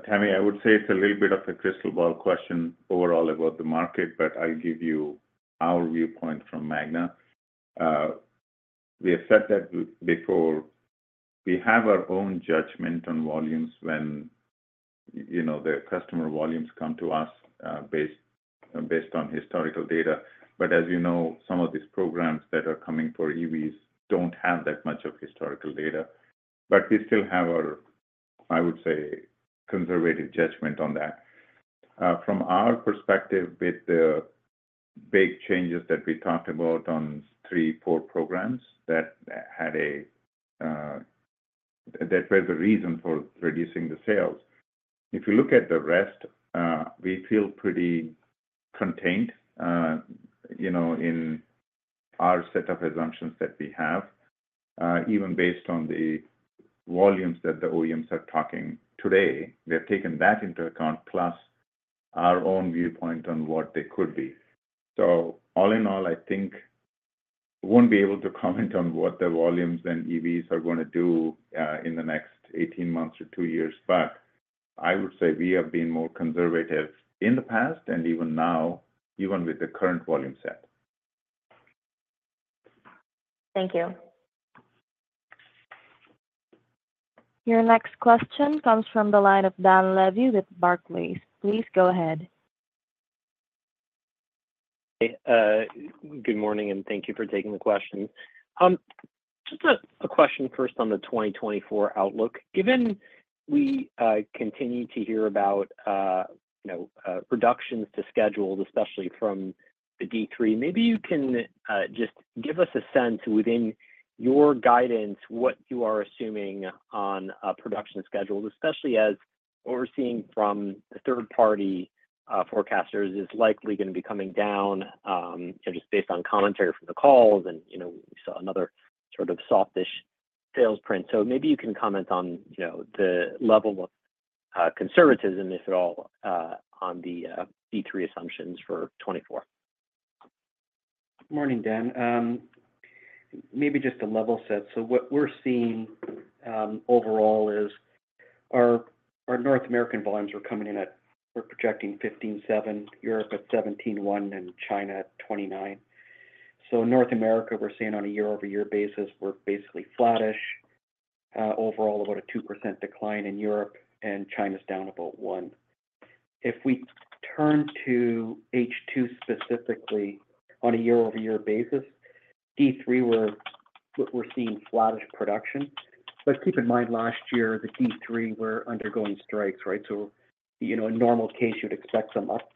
Tamy, I would say it's a little bit of a crystal ball question overall about the market, but I'll give you our viewpoint from Magna. We have said that before, we have our own judgment on volumes when, you know, the customer volumes come to us, based on historical data. But as you know, some of these programs that are coming for EVs don't have that much of historical data. But we still have our, I would say, conservative judgment on that. From our perspective, with the big changes that we talked about on three, four programs that were the reason for reducing the sales, if you look at the rest, we feel pretty contained, you know, in our set of assumptions that we have, even based on the volumes that the OEMs are talking today. We have taken that into account, plus our own viewpoint on what they could be. So all in all, I think I won't be able to comment on what the volumes and EVs are gonna do in the next 18 months or two years, but I would say we have been more conservative in the past and even now, even with the current volume set. Thank you. Your next question comes from the line of Dan Levy with Barclays. Please go ahead. Hey, good morning, and thank you for taking the question. Just a question first on the 2024 outlook. Given we continue to hear about, you know, reductions to schedules, especially from the D3, maybe you can just give us a sense within your guidance, what you are assuming on production schedules, especially as what we're seeing from the third-party forecasters is likely gonna be coming down, you know, just based on commentary from the calls, and, you know, we saw another sort of softish sales print. So maybe you can comment on, you know, the level of conservatism, if at all, on the D3 assumptions for 2024. Morning, Dan. Maybe just a level set. So what we're seeing overall is our North American volumes are coming in at; we're projecting 15.7, Europe at 17.1, and China at 29. So North America, we're seeing on a year-over-year basis, we're basically flattish. Overall, about a 2% decline in Europe, and China's down about 1%. If we turn to H2 specifically, on a year-over-year basis, D3, we're seeing flattish production. But keep in mind, last year, the D3 were undergoing strikes, right? So, you know, in normal case, you'd expect some up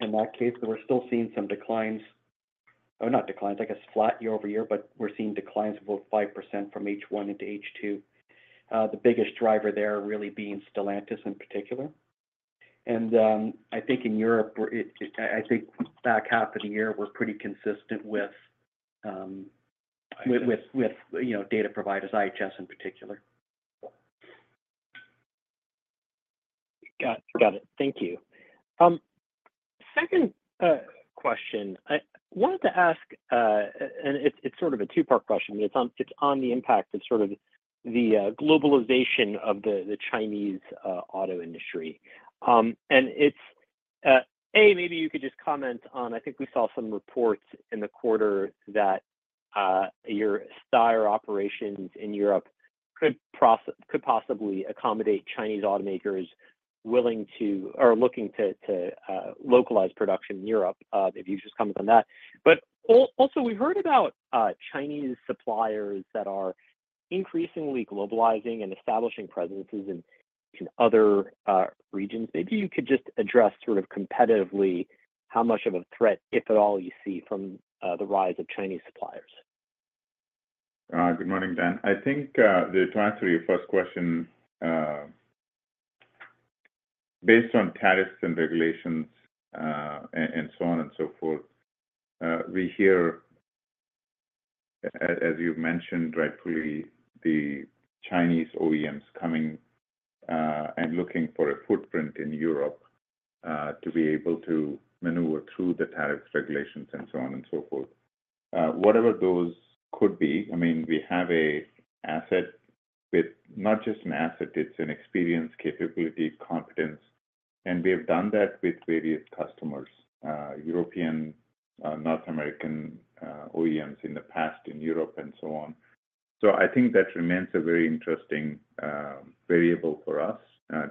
in that case, but we're still seeing some declines. Or not declines, I guess, flat year-over-year, but we're seeing declines of about 5% from H1 into H2. The biggest driver there really being Stellantis in particular. And I think in Europe, I think back half of the year, we're pretty consistent with you know, data providers, IHS in particular. Got it. Thank you. Second question, I wanted to ask, and it's sort of a two-part question. It's on the impact of sort of the globalization of the Chinese auto industry. And it's, a, maybe you could just comment on, I think we saw some reports in the quarter that your Steyr operations in Europe could possibly accommodate Chinese automakers willing to or looking to localize production in Europe, if you just comment on that. But also, we heard about Chinese suppliers that are increasingly globalizing and establishing presences in other regions. Maybe you could just address, sort of competitively, how much of a threat, if at all, you see from the rise of Chinese suppliers. Good morning, Dan. I think, to answer your first question, based on tariffs and regulations, and so on and so forth, as you've mentioned rightfully, the Chinese OEMs coming and looking for a footprint in Europe, to be able to maneuver through the tariffs, regulations, and so on and so forth. Whatever those could be, I mean, we have an asset with not just an asset, it's an experience, capability, competence, and we have done that with various customers, European, North American, OEMs in the past, in Europe and so on. So I think that remains a very interesting, variable for us,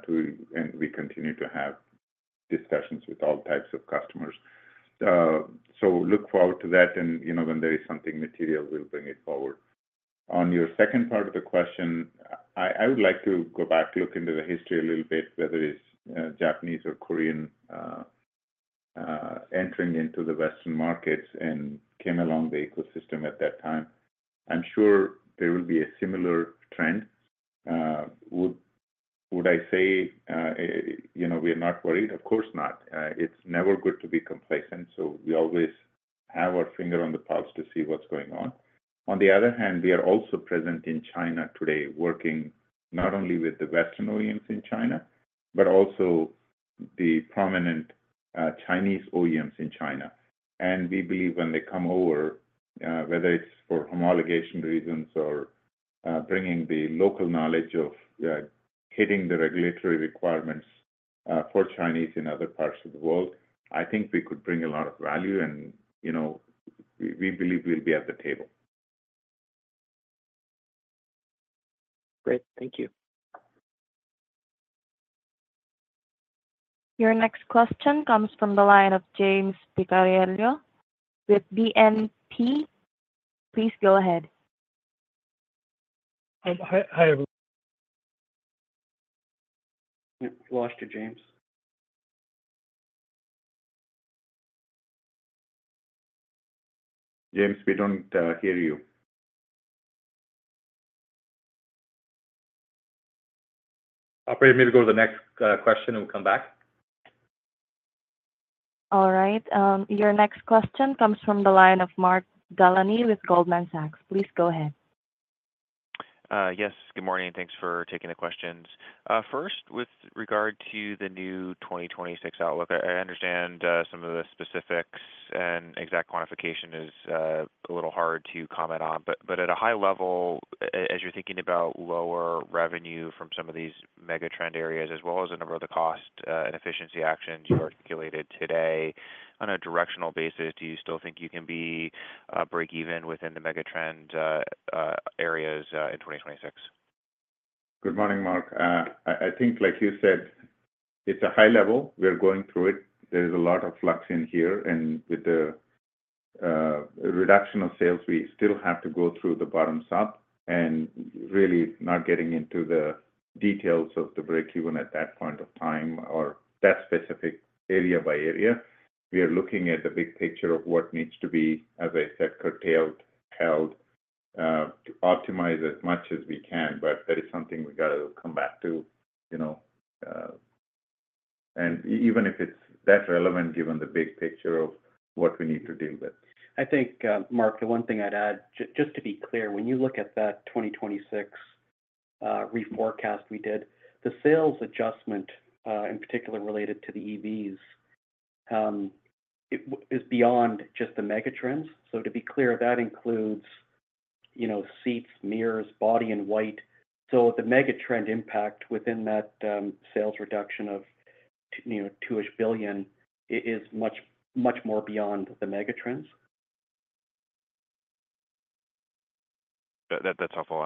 to and we continue to have discussions with all types of customers. So look forward to that, and, you know, when there is something material, we'll bring it forward. On your second part of the question, I would like to go back, look into the history a little bit, whether it's Japanese or Korean entering into the Western markets and came along the ecosystem at that time. I'm sure there will be a similar trend. Would I say, you know, we are not worried? Of course not. It's never good to be complacent, so we always have our finger on the pulse to see what's going on. On the other hand, we are also present in China today, working not only with the Western OEMs in China, but also the prominent Chinese OEMs in China. We believe when they come over, whether it's for homologation reasons or bringing the local knowledge of hitting the regulatory requirements for Chinese in other parts of the world, I think we could bring a lot of value, and, you know, we, we believe we'll be at the table. Great. Thank you. Your next question comes from the line of James Picariello with BNP. Please go ahead. Hi, hi, hello. We lost you, James. James, we don't hear you. Operator, maybe go to the next question, and we'll come back. All right. Your next question comes from the line of Mark Delaney with Goldman Sachs. Please go ahead. Yes. Good morning, and thanks for taking the questions. First, with regard to the new 2026 outlook, I understand some of the specifics and exact quantification is a little hard to comment on. But at a high level, as you're thinking about lower revenue from some of these megatrend areas, as well as a number of the cost and efficiency actions you articulated today, on a directional basis, do you still think you can be break even within the megatrend areas in 2026? Good morning, Mark. I think like you said, it's a high level. We're going through it. There is a lot of flux in here, and with the reduction of sales, we still have to go through the bottom up, and really not getting into the details of the break even at that point of time or that specific area by area. We are looking at the big picture of what needs to be, as I said, curtailed, held, to optimize as much as we can, but that is something we gotta come back to, you know, and even if it's that relevant, given the big picture of what we need to deal with. I think, Mark, the one thing I'd add, just to be clear, when you look at that 2026 revised forecast we did, the sales adjustment, in particular related to the EVs, it is beyond just the megatrends. So to be clear, that includes, you know, seats, mirrors, body in white. So the megatrend impact within that, you know, sales reduction of $2-ish billion is much, much more beyond the megatrends. That, that's helpful.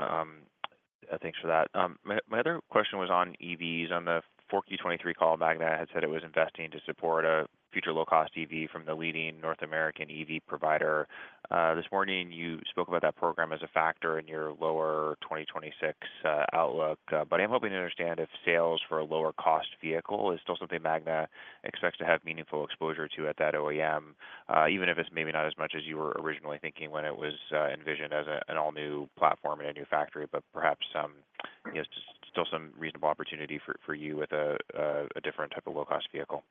Thanks for that. My, my other question was on EVs. On the Q4 2023 call, Magna had said it was investing to support a future low-cost EV from the leading North American EV provider. This morning, you spoke about that program as a factor in your lower 2026 outlook. But I'm hoping to understand if sales for a lower cost vehicle is still something Magna expects to have meaningful exposure to at that OEM, even if it's maybe not as much as you were originally thinking when it was envisioned as an all-new platform in a new factory, but perhaps some, you know, just still some reasonable opportunity for you with a different type of low-cost vehicle.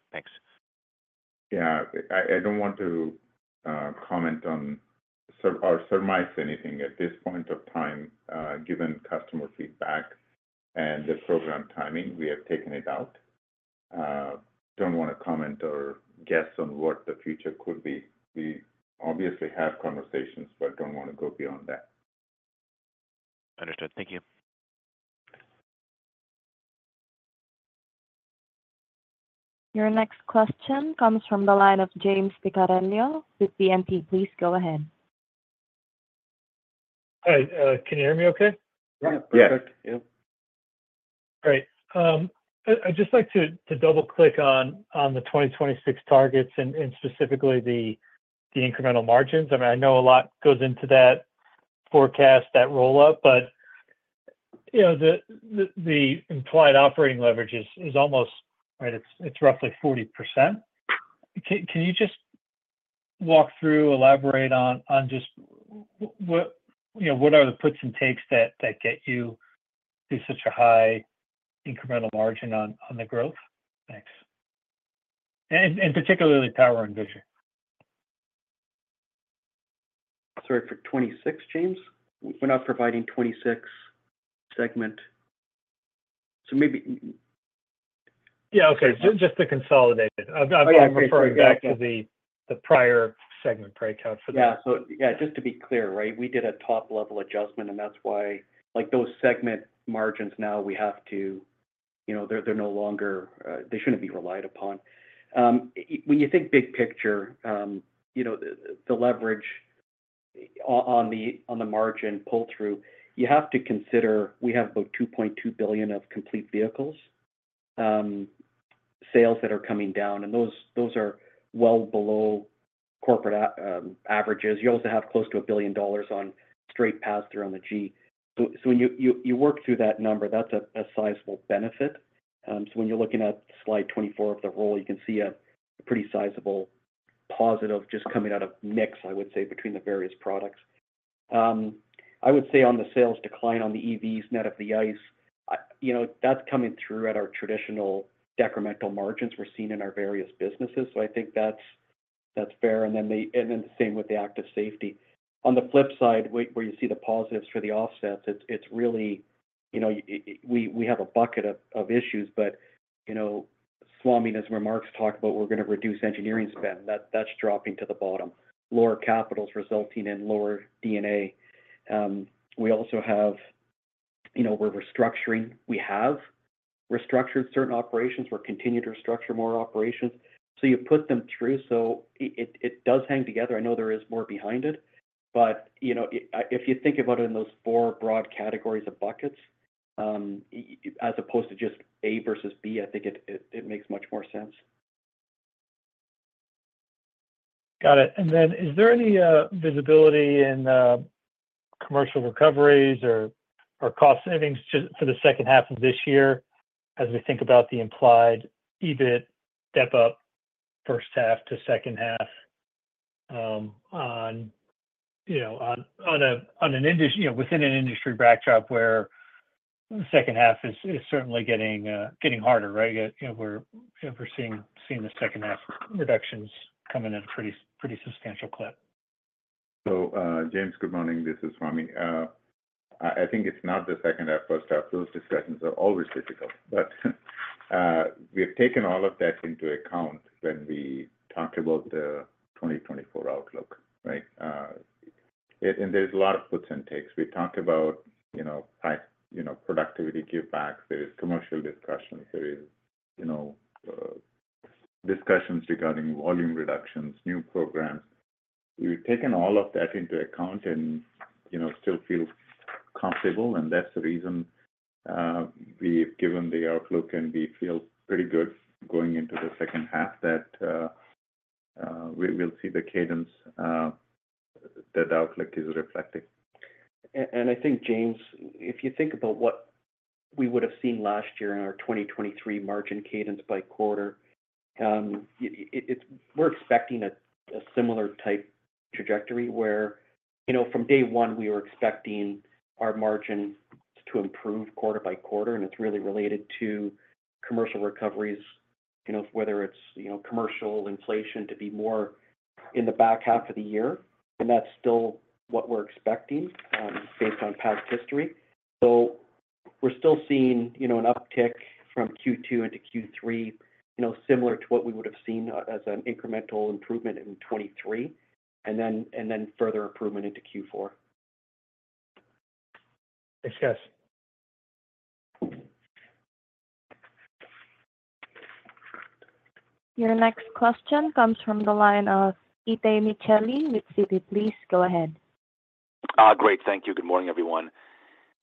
Thanks. Yeah. I don't want to comment on or surmise anything at this point of time, given customer feedback and the program timing, we have taken it out. Don't wanna comment or guess on what the future could be. We obviously have conversations, but don't wanna go beyond that. Understood. Thank you. Your next question comes from the line of James Picariello with BNP. Please go ahead. Hi, can you hear me okay? Yeah. Perfect. Yeah. Great. I'd just like to double-click on the 2026 targets and specifically the incremental margins. I mean, I know a lot goes into that forecast, that roll-up, but, you know, the implied operating leverage is almost, right, it's roughly 40%. Can you just walk through, elaborate on just what, you know, what are the puts and takes that get you to such a high incremental margin on the growth? Thanks and particularly Power & Vision? Sorry, for 2026, James? We're not providing 2026 segment. So maybe. Yeah, okay. Just, just the consolidated. Oh, yeah. I'm referring back to the prior segment, right, how for that? Yeah. So, yeah, just to be clear, right? We did a top-level adjustment, and that's why, like, those segment margins now we have to. you know, they're no longer, they shouldn't be relied upon. When you think big picture, you know, the leverage on the margin pull-through, you have to consider we have about $2.2 billion of complete vehicles sales that are coming down, and those are well below corporate averages. You also have close to $1 billion on straight pass-through on the G. So when you work through that number, that's a sizable benefit. So when you're looking at slide 24 of the roll, you can see a pretty sizable positive just coming out of mix, I would say, between the various products. I would say on the sales decline on the EVs, net of the ICE, I, you know, that's coming through at our traditional decremental margins we're seeing in our various businesses, so I think that's, that's fair, and then the same with the active safety. On the flip side, where you see the positives for the offsets, it's really, you know, it we have a bucket of issues, but, you know, Swamy, in his remarks, talked about we're gonna reduce engineering spend. That's dropping to the bottom. Lower capital resulting in lower D&A. We also have, you know, we're restructuring. We have restructured certain operations. We'll continue to restructure more operations. So you put them through, so it does hang together. I know there is more behind it, but, you know, if you think about it in those four broad categories of buckets, as opposed to just A versus B, I think it makes much more sense. Got it. And then, is there any visibility in commercial recoveries or cost savings just for the second half of this year, as we think about the implied EBIT step-up, first half to second half, you know, within an industry backdrop where the second half is certainly getting harder, right? You know, we're seeing the second half reductions coming at a pretty substantial clip. So, James, good morning. This is Swamy. I think it's not the second half, first half. Those discussions are always difficult. But, we have taken all of that into account when we talked about the 2024 outlook, right? And there's a lot of puts and takes. We talked about, you know, high, you know, productivity give back. There is commercial discussions. There is, you know, discussions regarding volume reductions, new programs. We've taken all of that into account and, you know, still feel comfortable, and that's the reason, we've given the outlook, and we feel pretty good going into the second half that, we, we'll see the cadence, that the outlook is reflecting. I think, James, if you think about what we would have seen last year in our 2023 margin cadence by quarter, it's, we're expecting a similar type trajectory where, you know, from day one, we were expecting our margins to improve quarter-by-quarter, and it's really related to commercial recoveries. You know, whether it's, you know, commercial inflation to be more in the back half of the year, and that's still what we're expecting, based on past history. So we're still seeing, you know, an uptick from Q2 into Q3, you know, similar to what we would have seen as an incremental improvement in 2023, and then further improvement into Q4. Thanks, guys. Your next question comes from the line of Itay Michaeli with Citi. Please go ahead. Great. Thank you. Good morning, everyone.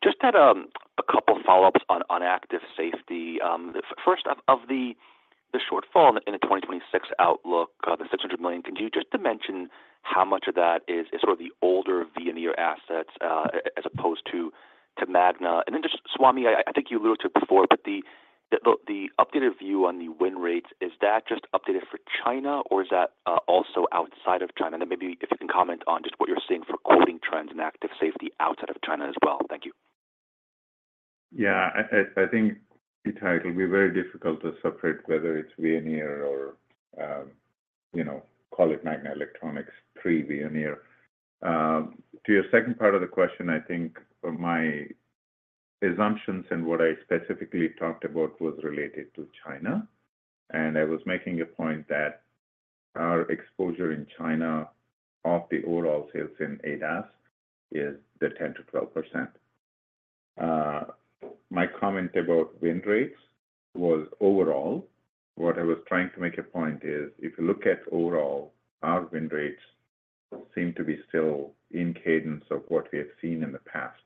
Just had a couple follow-ups on Active Safety. First, of the shortfall in the 2026 outlook, the $600 million, can you just dimension how much of that is sort of the older Veoneer assets, as opposed to Magna? And then just Swamy, I think you alluded to it before, but the updated view on the win rates, is that just updated for China, or is that also outside of China? And then maybe if you can comment on just what you're seeing for quoting trends and Active Safety outside of China as well. Thank you. Yeah, I think, Itay, it will be very difficult to separate whether it's Veoneer or, you know, call it Magna Electronics, pre-Veoneer. To your second part of the question, I think my assumptions and what I specifically talked about was related to China, and I was making a point that our exposure in China of the overall sales in ADAS is the 10%-12%. My comment about win rates was overall. What I was trying to make a point is, if you look at overall, our win rates seem to be still in cadence of what we have seen in the past.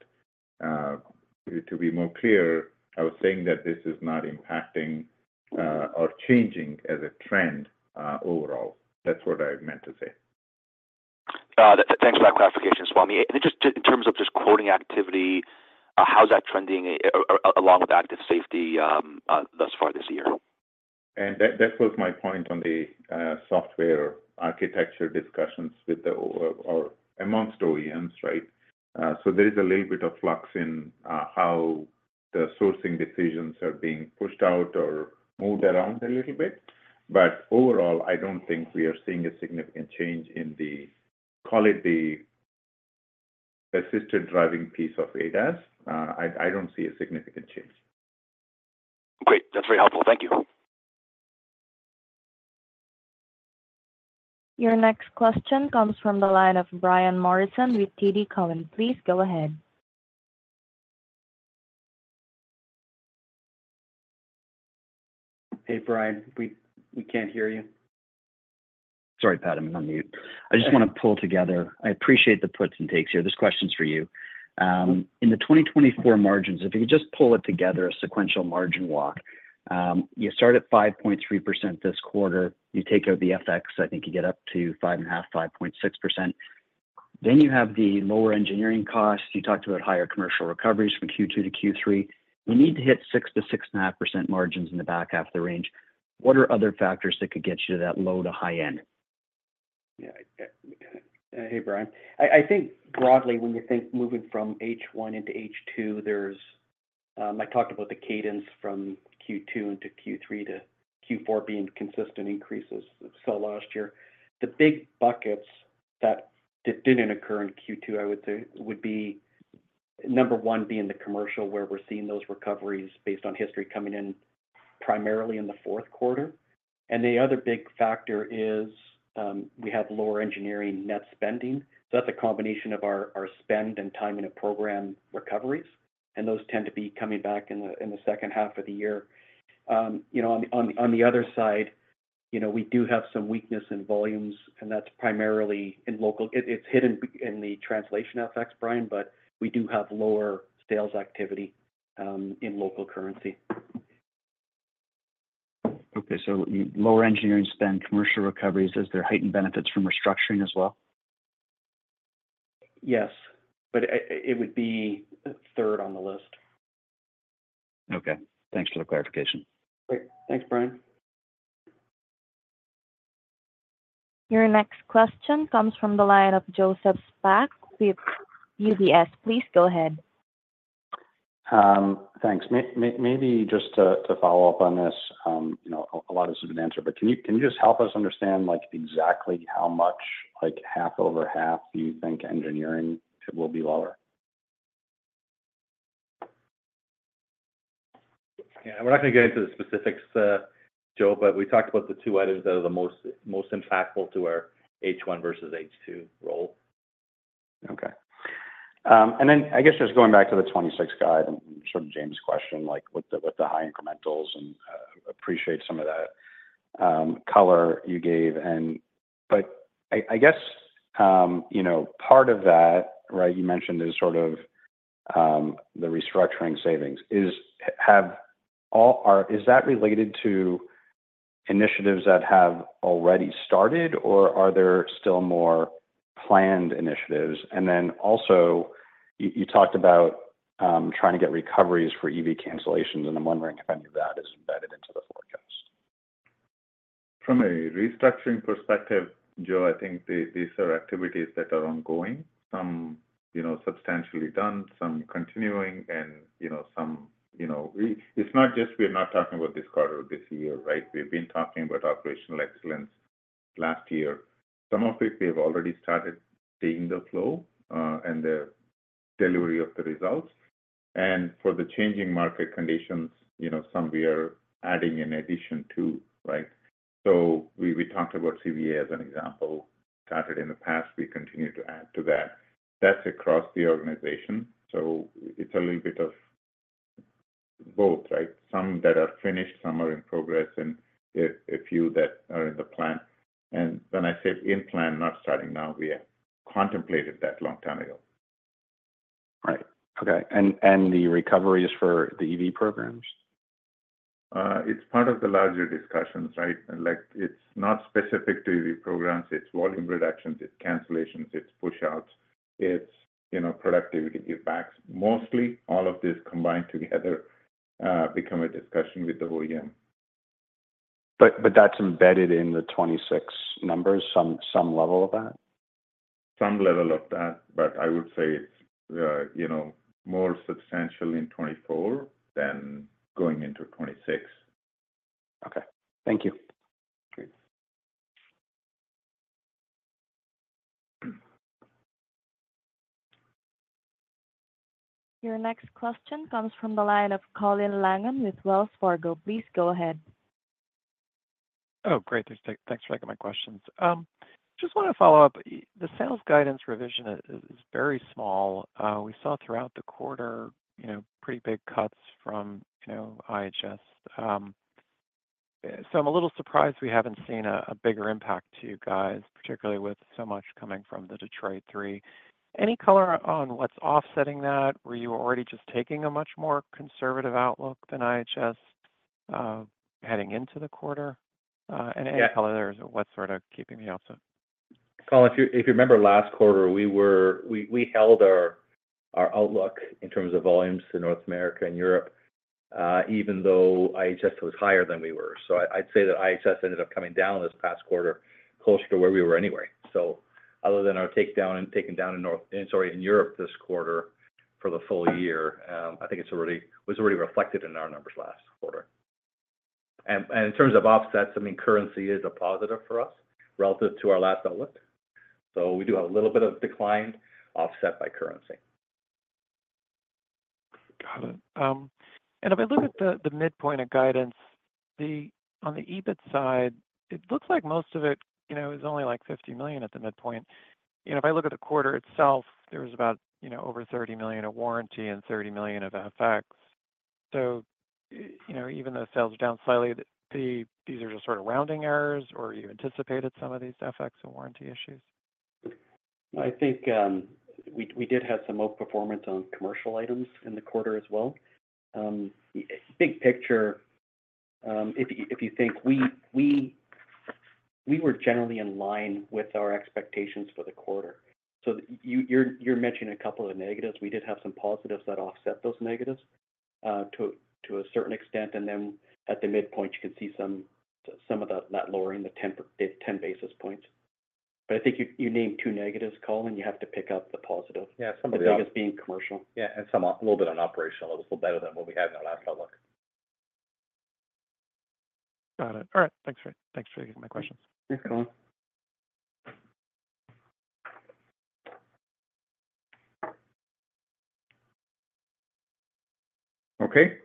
To be more clear, I was saying that this is not impacting or changing as a trend, overall. That's what I meant to say. Thanks for that clarification, Swamy. And just in terms of just quoting activity, how's that trending along with Active Safety thus far this year? That was my point on the software architecture discussions with the OEMs or amongst OEMs, right? So there is a little bit of flux in how the sourcing decisions are being pushed out or moved around a little bit. But overall, I don't think we are seeing a significant change in the, call it, the assisted driving piece of ADAS. I don't see a significant change. Great, that's very helpful. Thank you. Your next question comes from the line of Brian Morrison with TD Cowen. Please go ahead. Hey, Brian, we can't hear you. Sorry, Pat, I'm on mute. Okay. I just wanna pull together. I appreciate the puts and takes here. This question's for you. In the 2024 margins, if you could just pull it together, a sequential margin walk. You start at 5.3% this quarter. You take out the FX, I think you get up to 5.5, 5.6%. Then you have the lower engineering costs. You talked about higher commercial recoveries from Q2 to Q3. You need to hit 6%-6.5% margins in the back half of the range. What are other factors that could get you to that low to high end? Yeah, hey, Brian. I think broadly, when you think moving from H1 into H2, there's. I talked about the cadence from Q2 into Q3 to Q4 being consistent increases we saw last year. The big buckets that didn't occur in Q2, I would say, would be number one being the commercial, where we're seeing those recoveries based on history coming in primarily in the fourth quarter. And the other big factor is we have lower engineering net spending. So that's a combination of our spend and time in a program recoveries, and those tend to be coming back in the second half of the year. You know, on the other side, you know, we do have some weakness in volumes, and that's primarily in local. It, it's hidden in the translation FX, Brian, but we do have lower sales activity in local currency. Okay. So lower engineering spend, commercial recoveries, is there heightened benefits from restructuring as well? Yes, but it would be third on the list. Okay. Thanks for the clarification. Great. Thanks, Brian. Your next question comes from the line of Joseph Spak with UBS. Please go ahead. Thanks. Maybe just to follow up on this, you know, a lot of this has been answered, but can you just help us understand, like, exactly how much, like, half over half do you think engineering will be lower? Yeah, we're not gonna get into the specifics, Joe, but we talked about the two items that are the most, most impactful to our H1 versus H2 roll. Okay. And then, I guess just going back to the 2026 guide and sort of James' question, like, with the high incrementals, and appreciate some of that color you gave and, but I guess, you know, part of that, right, you mentioned is sort of the restructuring savings. Is that related to initiatives that have already started, or are there still more planned initiatives? And then also, you talked about trying to get recoveries for EV cancellations, and I'm wondering if any of that is embedded into the forecast. From a restructuring perspective, Joe, I think these are activities that are ongoing. Some, you know, substantially done, some continuing, and, you know, some, you know, it's not just we're not talking about this quarter or this year, right? We've been talking about operational excellence last year. Some of it, we've already started seeing the flow and the delivery of the results. And for the changing market conditions, you know, some we are adding in addition to, right? So we, we talked about SG&A as an example, started in the past, we continue to add to that. That's across the organization, so it's a little bit of both, right? Some that are finished, some are in progress, and a few that are in the plan. And when I say in plan, not starting now, we have contemplated that long time ago. Right. Okay. And the recovery is for the EV programs? It's part of the larger discussions, right? Like, it's not specific to the programs, it's volume reductions, it's cancellations, it's push-outs, it's, you know, productivity givebacks. Mostly, all of this combined together, become a discussion with the whole GM. But that's embedded in the 26 numbers, some level of that? Some level of that, but I would say it's, you know, more substantial in 2024 than going into 2026. Okay. Thank you. Great. Your next question comes from the line of Colin Langan with Wells Fargo. Please go ahead. Oh, great. Thanks for taking my questions. Just wanna follow up. The sales guidance revision is very small. We saw throughout the quarter, you know, pretty big cuts from, you know, IHS. So I'm a little surprised we haven't seen a bigger impact to you guys, particularly with so much coming from the Detroit 3. Any color on what's offsetting that? Were you already just taking a much more conservative outlook than IHS heading into the quarter? And any color there is, what sort of keeping me also? Colin, if you remember last quarter, we were, we held our outlook in terms of volumes to North America and Europe, even though IHS was higher than we were. So I'd say that IHS ended up coming down this past quarter closer to where we were anyway. So other than our takedown in Europe this quarter for the full year, I think it was already reflected in our numbers last quarter. And in terms of offsets, I mean, currency is a positive for us relative to our last outlook. So we do have a little bit of decline offset by currency. Got it. And if I look at the midpoint of guidance on the EBIT side, it looks like most of it, you know, is only, like, $50 million at the midpoint. You know, if I look at the quarter itself, there was about, you know, over $30 million of warranty and $30 million of FX. So, you know, even though sales are down slightly, these are just sort of rounding errors, or you anticipated some of these FX and warranty issues? I think, we did have some modest performance on commercial items in the quarter as well. Big picture, if you think we were generally in line with our expectations for the quarter. So you're mentioning a couple of negatives. We did have some positives that offset those negatives, to a certain extent, and then at the midpoint, you can see some of the, that lowering, the 10 basis points. But I think you named two negatives, Colin, you have to pick up the positive. Yeah, some of the- The biggest being commercial. Yeah, and some, a little bit on operational. It was a little better than what we had in our last outlook. Got it. All right. Thanks, Pat. Thanks for taking my questions. Thanks, Colin. Okay.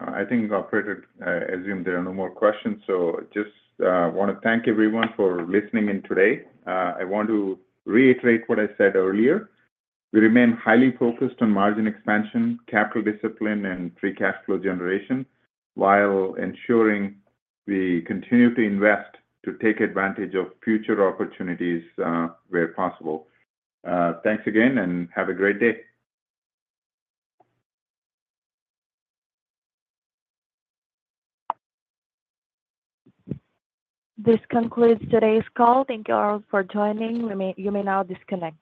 I think operator, assume there are no more questions, so just want to thank everyone for listening in today. I want to reiterate what I said earlier. We remain highly focused on margin expansion, capital discipline, and free cash flow generation, while ensuring we continue to invest to take advantage of future opportunities, where possible. Thanks again, and have a great day. This concludes today's call. Thank you all for joining. You may now disconnect.